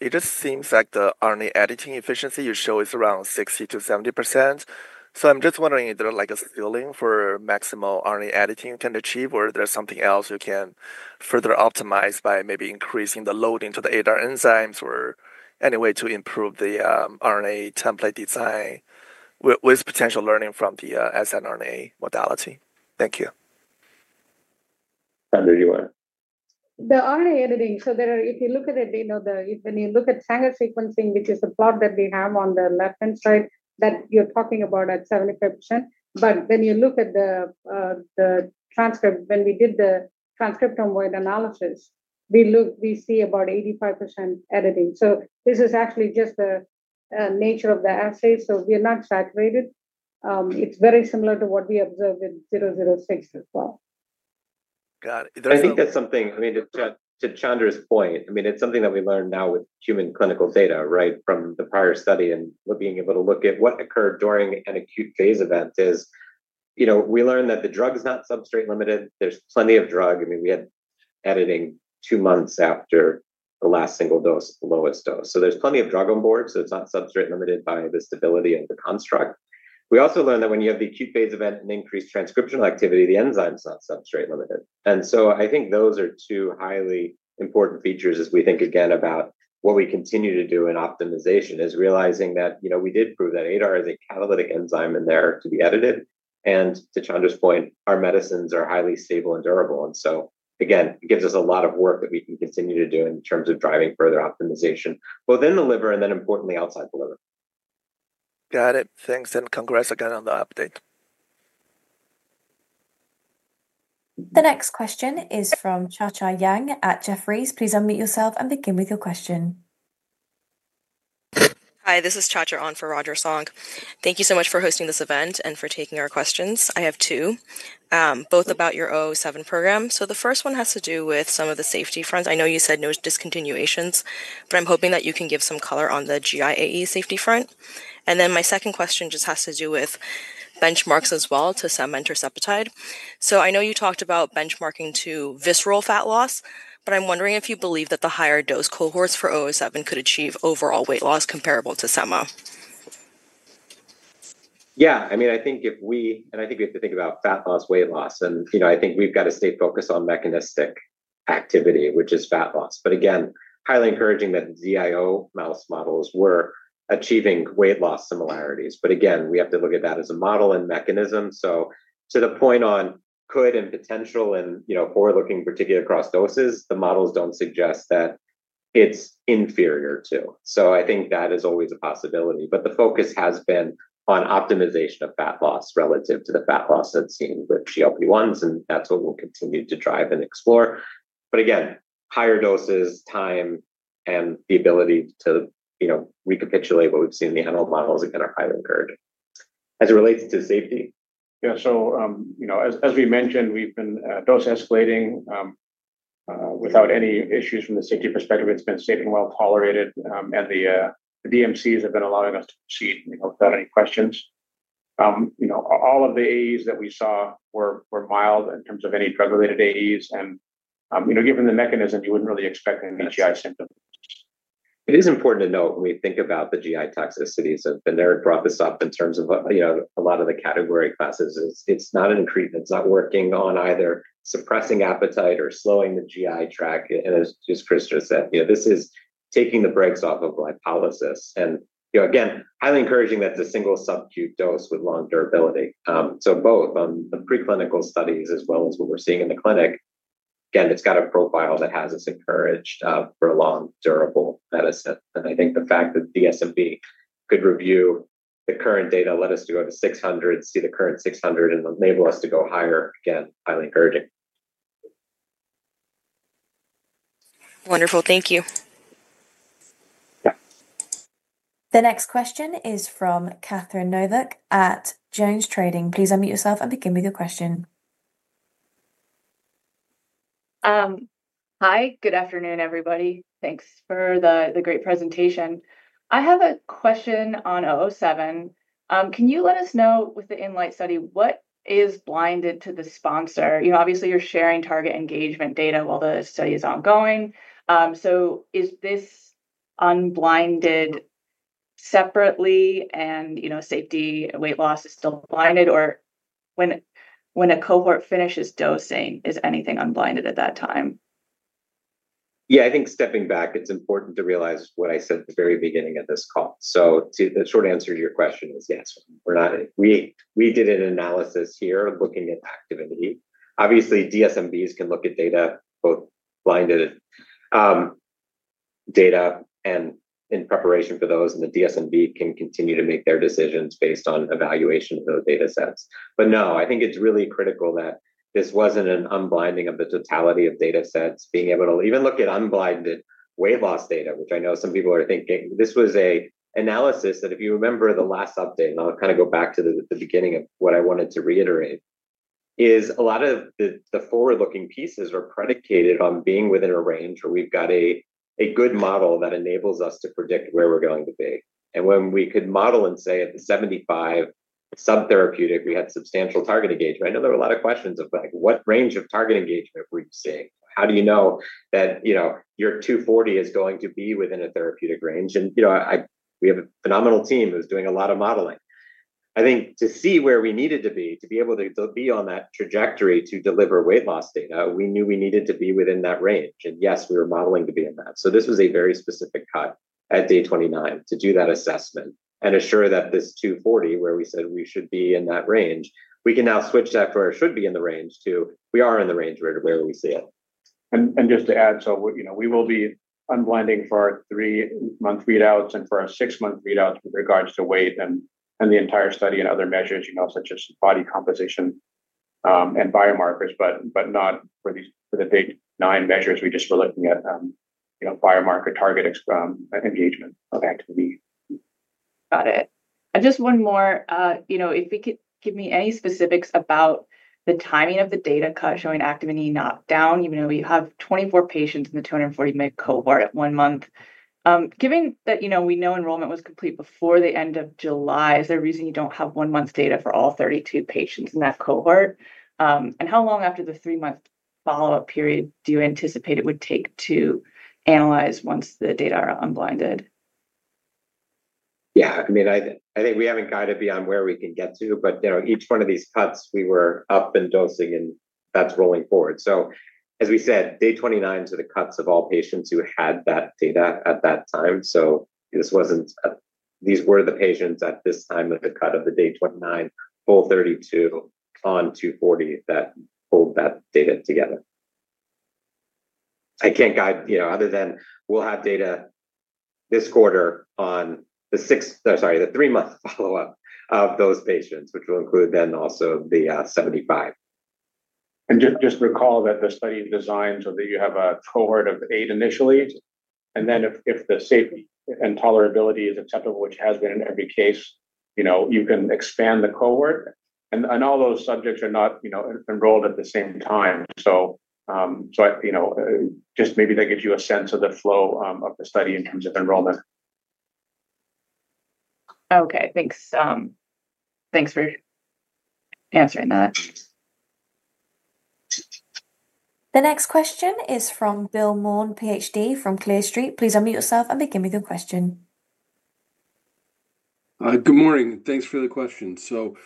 It just seems like the RNA editing efficiency you show is around 60%-70%. I'm just wondering if there's a ceiling for maximal RNA editing you can achieve or if there's something else you can further optimize by maybe increasing the load into the ADAR enzymes or any way to improve the RNA template design with potential learning from the siRNA modality. Thank you. Chandra, you want to? The RNA editing, if you look at it, when you look at tangle sequencing, which is the plot that we have on the left-hand side that you're talking about at 75%. When you look at the transcript, when we did the transcriptome wide analysis, we see about 85% editing. This is actually just the nature of the assay. We're not saturated. It's very similar to what we observed with WVE-006 as well. Got it. I think that's something, to Chandra's point, it's something that we learn now with human clinical data from the prior study, and being able to look at what occurred during an acute phase event is we learned that the drug is not substrate limited. There's plenty of drug. We had editing two months after the last single dose at the lowest dose, so there's plenty of drug on board. It's not substrate limited by the stability of the construct. We also learned that when you have the acute phase event and increased transcriptional activity, the enzyme is not substrate limited. I think those are two highly important features as we think again about what we continue to do in optimization, realizing that we did prove that ADAR is a catalytic enzyme in there to be edited. To Chandra's point, our medicines are highly stable and durable. It gives us a lot of work that we can continue to do in terms of driving further optimization both in the liver and then importantly outside the liver. Got it. Thanks, and congrats again on the update. The next question is from Hsiu-Chiung Yang at Jefferies. Please unmute yourself and begin with your question. Hi, this is ChaCha on for Roger Song. Thank you so much for hosting this event and for taking our questions. I have two, both about your 007 program. The first one has to do with some of the safety fronts. I know you said no discontinuations. I'm hoping that you can give some color on the GI AE safety front. My second question just has to do with benchmarks as well to semaglutide. I know you talked about benchmarking to visceral fat loss. I'm wondering if you believe that the higher dose cohorts for 007 could achieve overall weight loss comparable to semaglutide. I think we have to think about fat loss, weight loss. I think we've got to stay focused on mechanistic activity, which is fat loss. Highly encouraging that the DIO mouse models were achieving weight loss similarities. We have to look at that as a model and mechanism. To the point on could and potential and forward-looking, particularly across doses, the models don't suggest that it's inferior to. I think that is always a possibility. The focus has been on optimization of fat loss relative to the fat loss I've seen with GLP-1 receptor agonists. That's what we'll continue to drive and explore. Higher doses, time, and the ability to recapitulate what we've seen in the animal models again are highly encouraging. As it relates to safety. Yeah, as we mentioned, we've been dose escalating without any issues from the safety perspective. It's been safe and well tolerated. The DMCs have been allowing us to proceed without any questions. All of the AEs that we saw were mild in terms of any drug-related AEs. Given the mechanism, you wouldn't really expect any GI symptoms. It is important to note when we think about the GI toxicities. Erik brought this up in terms of a lot of the category classes. It's not an increase. It's not working on either suppressing appetite or slowing the GI tract. As Chris just said, this is taking the brakes off of lipolysis. Again, highly encouraging that's a single subcu dose with long durability. Both on the preclinical studies as well as what we're seeing in the clinic, it's got a profile that has us encouraged for a long, durable medicine. I think the fact that DSMB could review the current data, let us go to 600, see the current 600, and enable us to go higher is, again, highly encouraging. Wonderful. Thank you. Yeah. The next question is from Catherine Novick at Jones Trading. Please unmute yourself and begin with your question. Hi. Good afternoon, everybody. Thanks for the great presentation. I have a question on 007. Can you let us know with the INLIGHT trial what is blinded to the sponsor? Obviously, you're sharing target engagement data while the study is ongoing. Is this unblinded separately and safety weight loss is still blinded? When a cohort finishes dosing, is anything unblinded at that time? Yeah, I think stepping back, it's important to realize what I said at the very beginning of this call. The short answer to your question is yes. We did an analysis here looking at activin E. Obviously, DSMBs can look at data, both blinded data and in preparation for those. The DSMB can continue to make their decisions based on evaluation of those data sets. No, I think it's really critical that this wasn't an unblinding of the totality of data sets, being able to even look at unblinded weight loss data, which I know some people are thinking. This was an analysis that, if you remember the last update, and I'll kind of go back to the beginning of what I wanted to reiterate, is a lot of the forward-looking pieces are predicated on being within a range where we've got a good model that enables us to predict where we're going to be. When we could model and say at the 75 subtherapeutic, we had substantial target engagement. I know there were a lot of questions of what range of target engagement were you seeing. How do you know that your 240 is going to be within a therapeutic range. We have a phenomenal team who's doing a lot of modeling. I think to see where we needed to be to be able to be on that trajectory to deliver weight loss data, we knew we needed to be within that range. Yes, we were modeling to be in that. This was a very specific cut at day 29 to do that assessment and assure that this 240, where we said we should be in that range, we can now switch that from where it should be in the range to we are in the range where we see it. Just to add, we will be unblinding for our three-month readouts and for our six-month readouts with regards to weight and the entire study and other measures, such as body composition and biomarkers, but not for the big nine measures. We were just looking at biomarker target engagement of activin E. Got it. Just one more. If you could give me any specifics about the timing of the data cut showing activin E knockdown, even though we have 24 patients in the 240 mg cohort at one month. Given that we know enrollment was complete before the end of July, is there a reason you don't have one month's data for all 32 patients in that cohort? How long after the three-month follow-up period do you anticipate it would take to analyze once the data are unblinded? Yeah, I mean, I think we haven't guided beyond where we can get to. Each one of these cuts, we were up and dosing and that's rolling forward. As we said, day 29s are the cuts of all patients who had that data at that time. This wasn't, these were the patients at this time of the cut of the day 29, full 32 on 240 that pulled that data together. I can't guide other than we'll have data this quarter on the sixth, sorry, the three-month follow-up of those patients, which will include then also the 75. Recall that the study designs so that you have a cohort of eight initially. If the safety and tolerability is acceptable, which has been in every case, you can expand the cohort. All those subjects are not enrolled at the same time. Maybe that gives you a sense of the flow of the study in terms of enrollment. OK, thanks. Thanks for answering that. The next question is from Bill Maughan, PhD from Clear Street. Please unmute yourself and begin with your question. Good morning. Thanks for the question. Just on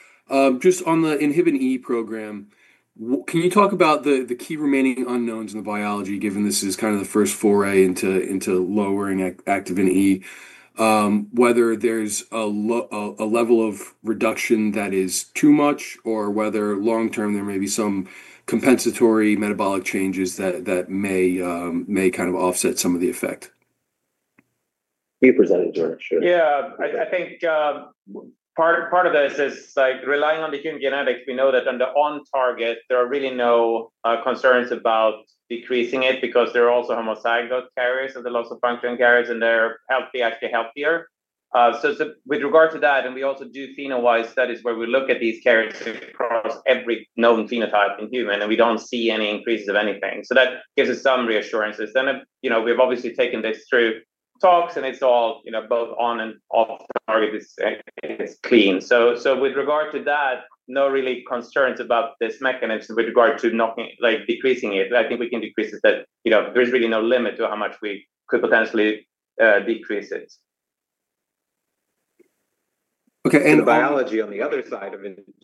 the INHBE program, can you talk about the key remaining unknowns in the biology, given this is kind of the first foray into lowering activin E, whether there's a level of reduction that is too much, or whether long-term there may be some compensatory metabolic changes that may kind of offset some of the effect? Can you present it? Sure. Yeah, I think part of this is like relying on the human genetics. We know that under on target, there are really no concerns about decreasing it because there are also homozygote carriers of the loss of function carriers, and they're actually healthier. With regard to that, we also do pheno-wise studies where we look at these carriers across every known phenotype in human, and we don't see any increases of anything. That gives us some reassurances. We have obviously taken this through talks, and it's all both on and off target. It's clean. With regard to that, no really concerns about this mechanism with regard to decreasing it. I think we can decrease it, that there is really no limit to how much we could potentially decrease it. Okay, and Biology on the other side of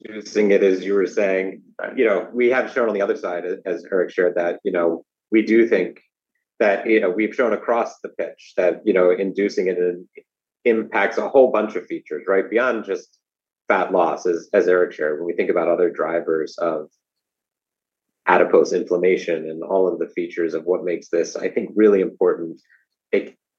inducing it, as you were saying, we have shown on the other side, as Erik shared, that we do think that we've shown across the pitch that inducing it impacts a whole bunch of features, right, beyond just fat loss, as Erik shared. When we think about other drivers of adipose inflammation and all of the features of what makes this, I think, really important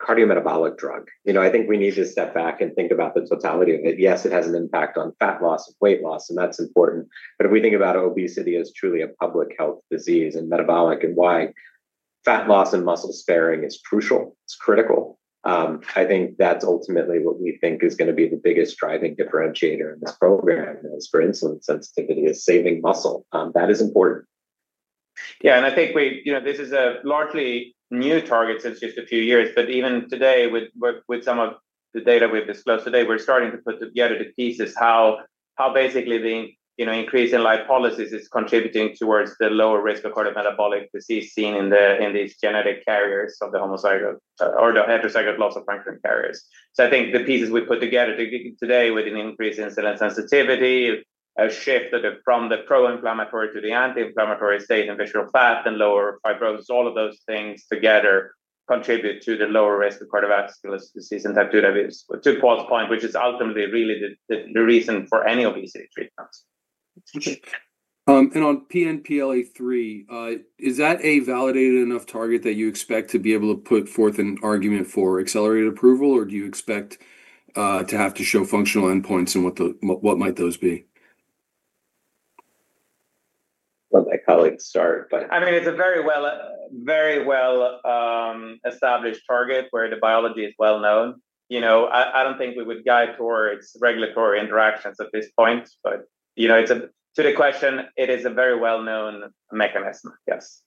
cardiometabolic drug, I think we need to step back and think about the totality of it. Yes, it has an impact on fat loss and weight loss, and that's important. If we think about obesity as truly a public health disease and metabolic and why fat loss and muscle sparing is crucial, it's critical. I think that's ultimately what we think is going to be the biggest driving differentiator in this program, as for insulin sensitivity is saving muscle. That is important. Yeah, I think this is a largely new target since just a few years. Even today, with some of the data we've disclosed today, we're starting to put together the pieces how basically the increase in lipolysis is contributing towards the lower risk of cardiometabolic disease seen in these genetic carriers of the homozygote or the heterozygote loss of function carriers. I think the pieces we put together today with an increase in insulin sensitivity, a shift from the pro-inflammatory to the anti-inflammatory state and visceral fat and lower fibrosis, all of those things together contribute to the lower risk of cardiovascular disease and type 2 diabetes, to Paul's point, which is ultimately really the reason for any obesity treatments. OK. On PNPLA3, is that a validated enough target that you expect to be able to put forth an argument for accelerated approval? Do you expect to have to show functional endpoints? What might those be? Let my colleagues start. I mean, it's a very well-established target where the biology is well known. I don't think we would guide towards regulatory interactions at this point. To the question, it is a very well-known mechanism, yes.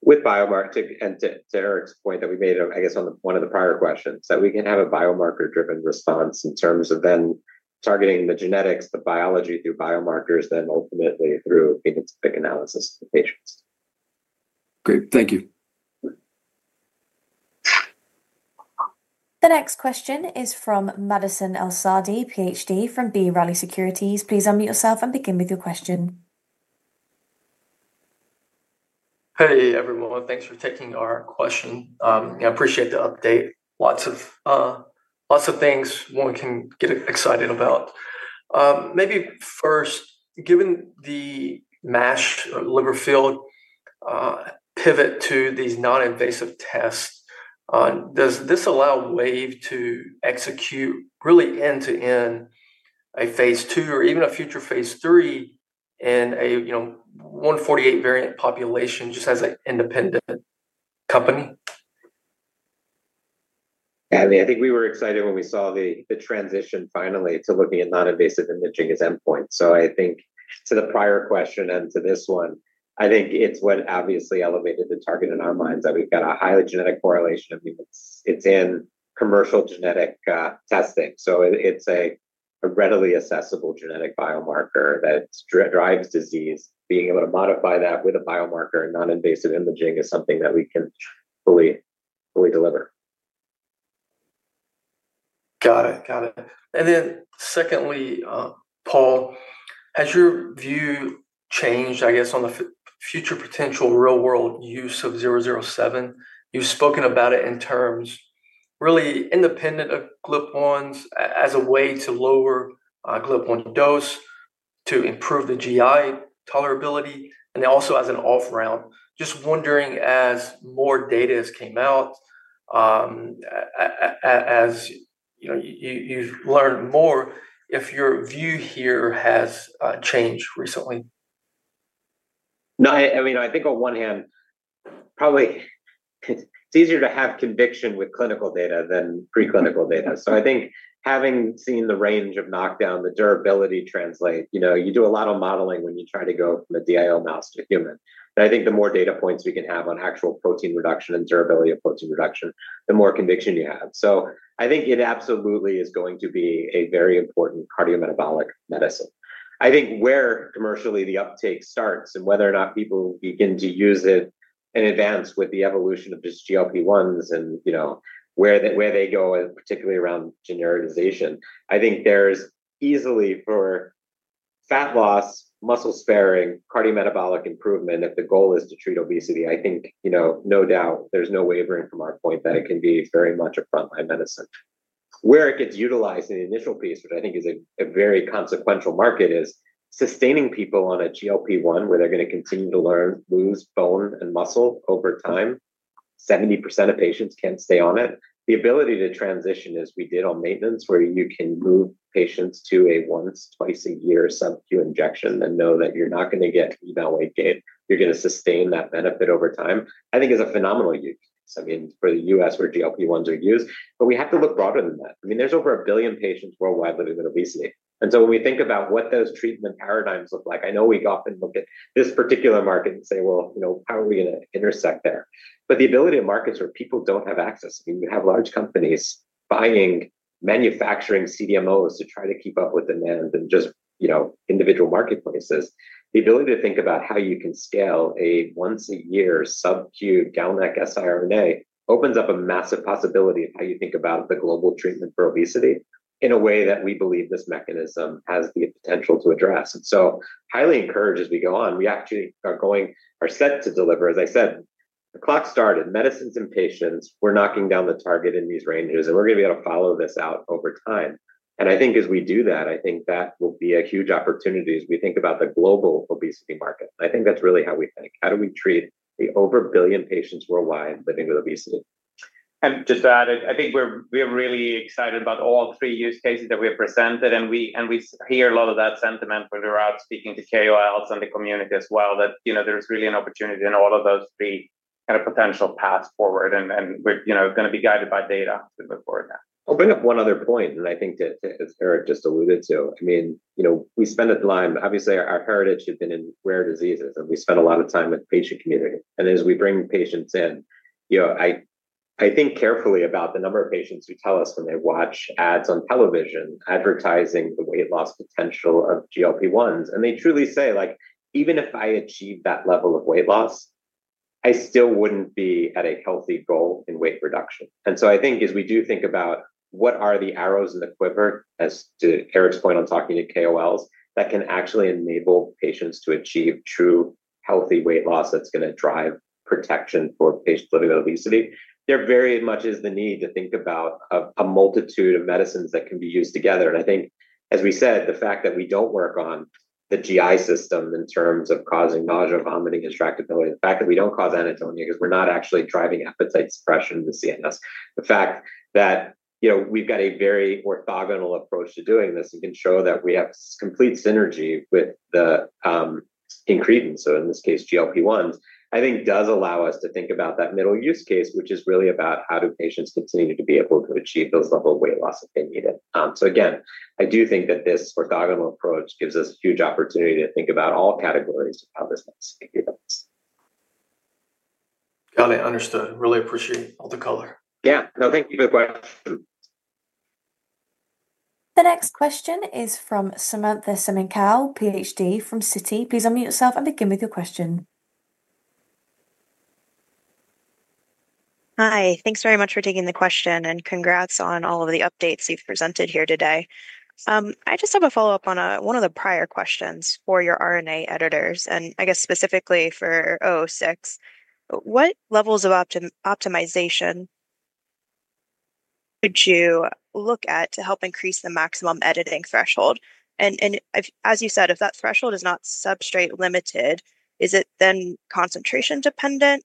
With biomarker, to Erik's point that we made on, I guess, one of the prior questions, we can have a biomarker-driven response in terms of then targeting the genetics, the biology through biomarkers, then ultimately through phenotypic analysis of the patients. Great. Thank you. The next question is from Madison El-Saadi, PhD from B. Riley Securities. Please unmute yourself and begin with your question. Hey, everyone. Thanks for taking our question. I appreciate the update. Lots of things one can get excited about. Maybe first, given the MASH or liver field pivot to these non-invasive tests, does this allow Wave Life Sciences to execute really end-to-end a phase two or even a future phase three in a 148 variant population just as an independent company? Yeah, I mean, I think we were excited when we saw the transition finally to looking at non-invasive imaging as endpoints. I think to the prior question and to this one, I think it's what obviously elevated the target in our minds that we've got a highly genetic correlation of it's in commercial genetic testing. It's a readily accessible genetic biomarker that drives disease. Being able to modify that with a biomarker and non-invasive imaging is something that we can fully deliver. Got it. And then secondly, Paul, has your view changed, I guess, on the future potential real-world use of 007? You've spoken about it in terms really independent of GLP-1 receptor agonists as a way to lower GLP-1 dose to improve the GI tolerability and then also as an off-round. Just wondering, as more data has come out, as you've learned more, if your view here has changed recently. No, I mean, I think on one hand, probably it's easier to have conviction with clinical data than preclinical data. I think having seen the range of knockdown, the durability translate, you do a lot of modeling when you try to go from a DIO mouse to human. I think the more data points we can have on actual protein reduction and durability of protein reduction, the more conviction you have. I think it absolutely is going to be a very important cardiometabolic medicine. I think where commercially the uptake starts and whether or not people begin to use it in advance with the evolution of just GLP-1 receptor agonists and where they go, particularly around generalization, I think there's easily for fat loss, muscle sparing, cardiometabolic improvement if the goal is to treat obesity. I think no doubt there's no wavering from our point that it can be very much a frontline medicine. Where it gets utilized in the initial piece, which I think is a very consequential market, is sustaining people on a GLP-1 receptor agonist where they're going to continue to learn to lose bone and muscle over time. 70% of patients can't stay on it. The ability to transition, as we did on maintenance, where you can move patients to a once, twice a year subcu injection and know that you're not going to get weight gain, you're going to sustain that benefit over time, I think is a phenomenal use case. I mean, for the US where GLP-1 receptor agonists are used. We have to look broader than that. I mean, there's over a billion patients worldwide living with obesity. When we think about what those treatment paradigms look like, I know we often look at this particular market and say, well, how are we going to intersect there? The ability of markets where people don't have access, I mean, you have large companies buying manufacturing CDMOs to try to keep up with demand and just individual marketplaces. The ability to think about how you can scale a once-a-year subcu GalNAc-conjugated siRNA opens up a massive possibility of how you think about the global treatment for obesity in a way that we believe this mechanism has the potential to address. Highly encouraged as we go on, we actually are set to deliver. As I said, the clock started. Medicines and patients, we're knocking down the target in these ranges. We're going to be able to follow this out over time. I think as we do that, I think that will be a huge opportunity as we think about the global obesity market. I think that's really how we think. How do we treat the over a billion patients worldwide living with obesity? I think we're really excited about all three use cases that we have presented. We hear a lot of that sentiment when we're out speaking to KOLs and the community as well, that there is really an opportunity in all of those three kind of potential paths forward. We're going to be guided by data to move forward now. I'll bring up one other point. I think that, as Erik just alluded to, we spend a time, obviously, our heritage has been in rare diseases. We spend a lot of time with the patient community. As we bring patients in, I think carefully about the number of patients who tell us when they watch ads on television advertising the weight loss potential of GLP-1s. They truly say, like, even if I achieve that level of weight loss, I still wouldn't be at a healthy goal in weight reduction. I think as we do think about what are the arrows in the quiver, as to Erik's point on talking to KOLs, that can actually enable patients to achieve true healthy weight loss that's going to drive protection for patients living with obesity, there very much is the need to think about a multitude of medicines that can be used together. I think the fact that we don't work on the GI system in terms of causing nausea, vomiting, distractibility, the fact that we don't cause anatomy because we're not actually driving appetite suppression to CNS, the fact that we've got a very orthogonal approach to doing this and can show that we have complete synergy with the incretin, so in this case, GLP-1s, I think does allow us to think about that middle use case, which is really about how do patients continue to be able to achieve those levels of weight loss if they need it. I do think that this orthogonal approach gives us a huge opportunity to think about all categories of how this medicine can be used. Got it. Understood. Really appreciate all the color. Thank you for the question. The next question is from Samantha Semenkow, PhD, from Citi. Please unmute yourself and begin with your question. Hi. Thanks very much for taking the question. Congrats on all of the updates you've presented here today. I just have a follow-up on one of the prior questions for your RNA editors, and I guess specifically for 006. What levels of optimization could you look at to help increase the maximum editing threshold? As you said, if that threshold is not substrate limited, is it then concentration dependent?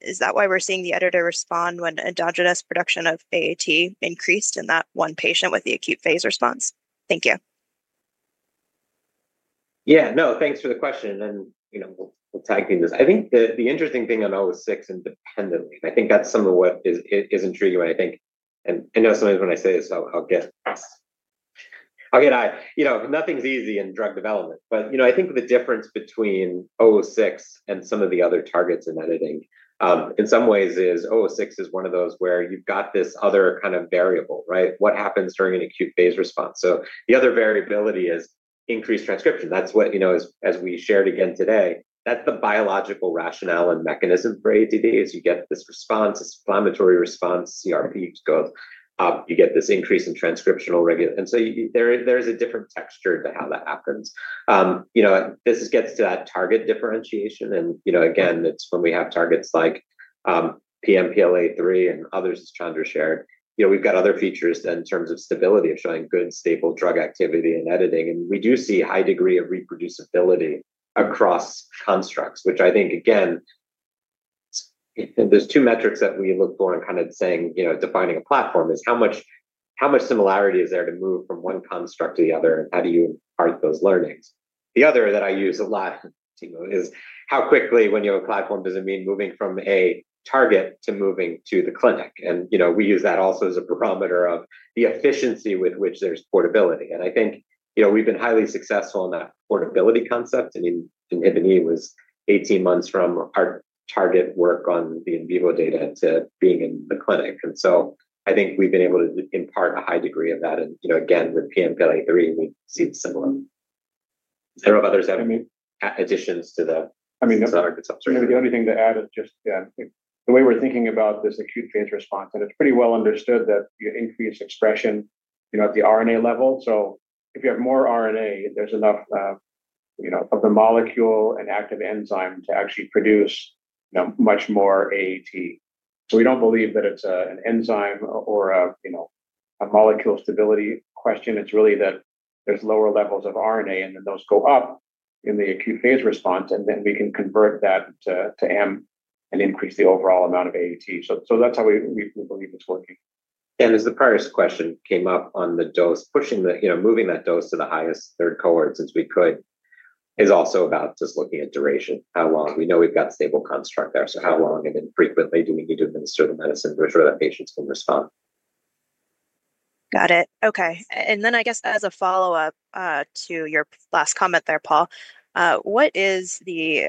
Is that why we're seeing the editor respond when endogenous production of AAT increased in that one patient with the acute phase response? Thank you. Yeah, no, thanks for the question. I think the interesting thing on 006 independently, and I think that's some of what is intriguing. I know sometimes when I say this, I'll get nothing's easy in drug development. I think the difference between 006 and some of the other targets in editing in some ways is 006 is one of those where you've got this other kind of variable, right? What happens during an acute phase response? The other variability is increased transcription. That's what, as we shared again today, that's the biological rationale and mechanism for AATD is you get this response, this inflammatory response, CRP goes. You get this increase in transcriptional regulation. There is a different texture to how that happens. This gets to that target differentiation. It's when we have targets like PNPLA3 and others, as Chandra shared, we've got other features in terms of stability of showing good stable drug activity in editing. We do see a high degree of reproducibility across constructs, which I think, again, there's two metrics that we look for in kind of defining a platform: how much similarity is there to move from one construct to the other, and how do you impart those learnings. The other that I use a lot is how quickly, when you have a platform, does it mean moving from a target to moving to the clinic. We use that also as a barometer of the efficiency with which there's portability. I think we've been highly successful in that portability concept. Inhibin E was 18 months from our target work on the in vivo data to being in the clinic. I think we've been able to impart a high degree of that. Again, with PNPLA3, we've seen similar. I don't know if others have additions to the market substrate? The only thing to add is just the way we're thinking about this acute phase response. It's pretty well understood that increased expression at the RNA level, if you have more RNA, there's enough of the molecule and active enzyme to actually produce much more AAT. We don't believe that it's an enzyme or a molecule stability question. It's really that there's lower levels of RNA, and those go up in the acute phase response. We can convert that to AMP and increase the overall amount of AAT. That's how we believe it's working. As the prior question came up on the dose, moving that dose to the highest third cohort since we could is also about just looking at duration. How long? We know we've got a stable construct there. How long and then frequently do we need to administer the medicine to ensure that patients can respond? Got it. OK. As a follow-up to your last comment there, Paul, what is the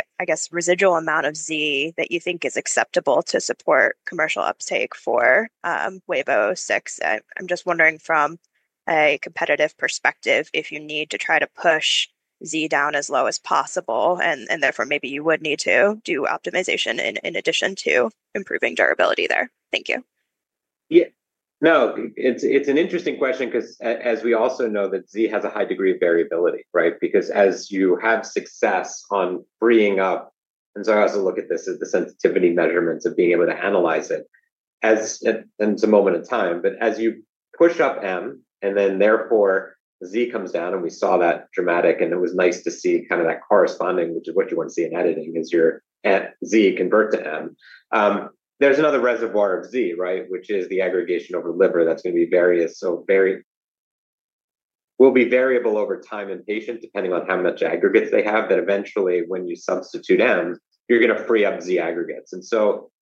residual amount of Z that you think is acceptable to support commercial uptake for WVE-006? I'm just wondering from a competitive perspective if you need to try to push Z down as low as possible. Therefore, maybe you would need to do optimization in addition to improving durability there. Thank you. Yeah, no, it's an interesting question because as we also know that Z has a high degree of variability, right? As you have success on freeing up, I also look at this as the sensitivity measurements of being able to analyze it in some moment in time. As you push up AMP, and then therefore Z comes down, we saw that dramatic. It was nice to see kind of that corresponding, which is what you want to see in editing, is your Z convert to AMP. There's another reservoir of Z, which is the aggregation over liver that's going to be various. It will be variable over time in patient depending on how much aggregates they have that eventually when you substitute AMP, you're going to free up Z aggregates.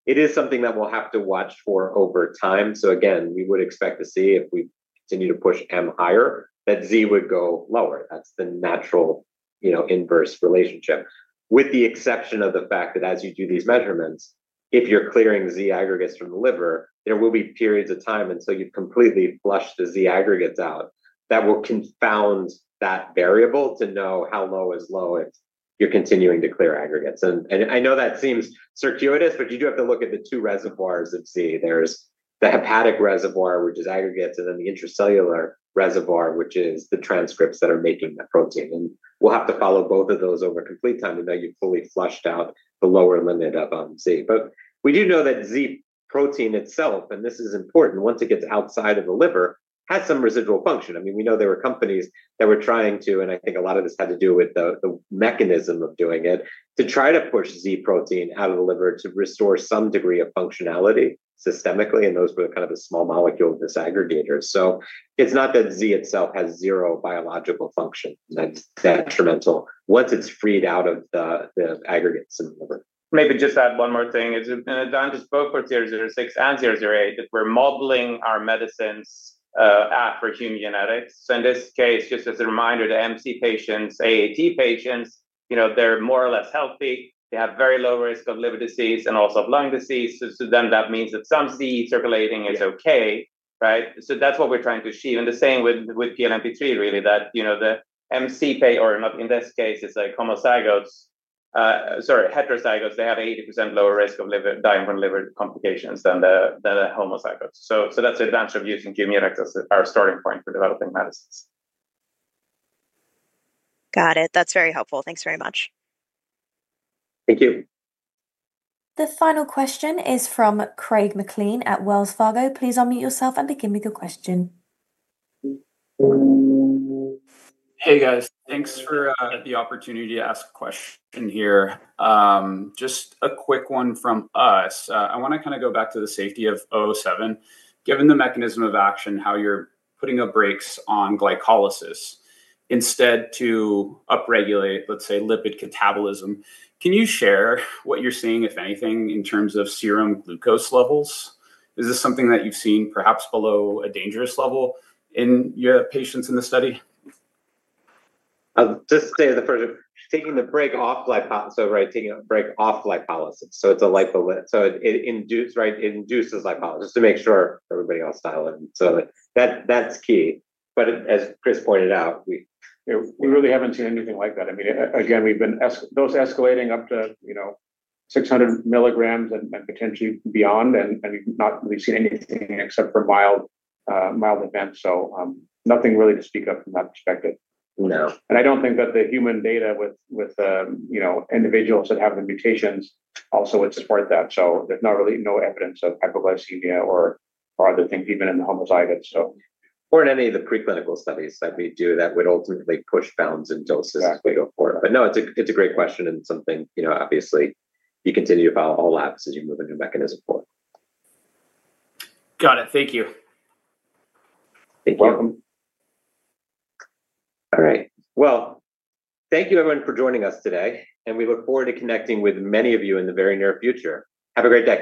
It is something that we'll have to watch for over time. We would expect to see if we continue to push AMP higher, that Z would go lower. That's the natural inverse relationship with the exception of the fact that as you do these measurements, if you're clearing Z aggregates from the liver, there will be periods of time until you've completely flushed the Z aggregates out that will confound that variable to know how low is low if you're continuing to clear aggregates. I know that seems circuitous, but you do have to look at the two reservoirs of Z. There's the hepatic reservoir, which is aggregates, and then the intracellular reservoir, which is the transcripts that are making the protein. We'll have to follow both of those over complete time to know you've fully flushed out the lower limit of Z. We do know that Z protein itself, and this is important, once it gets outside of the liver, has some residual function. I mean, we know there were companies that were trying to, and I think a lot of this had to do with the mechanism of doing it, to try to push Z protein out of the liver to restore some degree of functionality systemically. Those were kind of the small molecule disaggregators. It's not that Z itself has zero biological function. That's detrimental once it's freed out of the aggregates in the liver. Maybe just add one more thing. In advance of both for 006 and 008, that we're modeling our medicines for human genetics. In this case, just as a reminder, the MZ patients, AATD patients, they're more or less healthy. They have very low risk of liver disease and also of lung disease. That means that some Z circulating is OK, right? That's what we're trying to achieve. The same with PNPLA3, really, that the MZ, or in this case, it's a heterozygote. They have 80% lower risk of dying from liver complications than the homozygotes. That's the advantage of using gene mutants as our starting point for developing medicines. Got it. That's very helpful. Thanks very much. Thank you. The final question is from Craig McLean at Wells Fargo. Please unmute yourself and begin with your question. Hey, guys. Thanks for the opportunity to ask a question here. Just a quick one from us. I want to go back to the safety of 007. Given the mechanism of action, how you're putting the brakes on glycolysis instead to upregulate, let's say, lipid catabolism, can you share what you're seeing, if anything, in terms of serum glucose levels? Is this something that you've seen perhaps below a dangerous level in your patients in the study? Just to say the first, taking the brake off glycolysis, right, taking a brake off glycolysis. So it's a lipolip. It induces glycolysis to make sure everybody else is dilated. That's key. As Chris pointed out, we really haven't seen anything like that. I mean, we've been dose escalating up to 600 mg and potentially beyond, and we've not really seen anything except for mild events. Nothing really to speak of from that perspective. I don't think that the human data with individuals that have the mutations also would support that. There's not really any evidence of hypoglycemia or other things, even in the homozygotes. In any of the preclinical studies that we do that would ultimately push bounds and doses to go forward, it's a great question. It's something, obviously, you continue to follow all labs as you move a new mechanism forward. Got it. Thank you. Thank you. You're welcome. Thank you, everyone, for joining us today. We look forward to connecting with many of you in the very near future. Have a great day.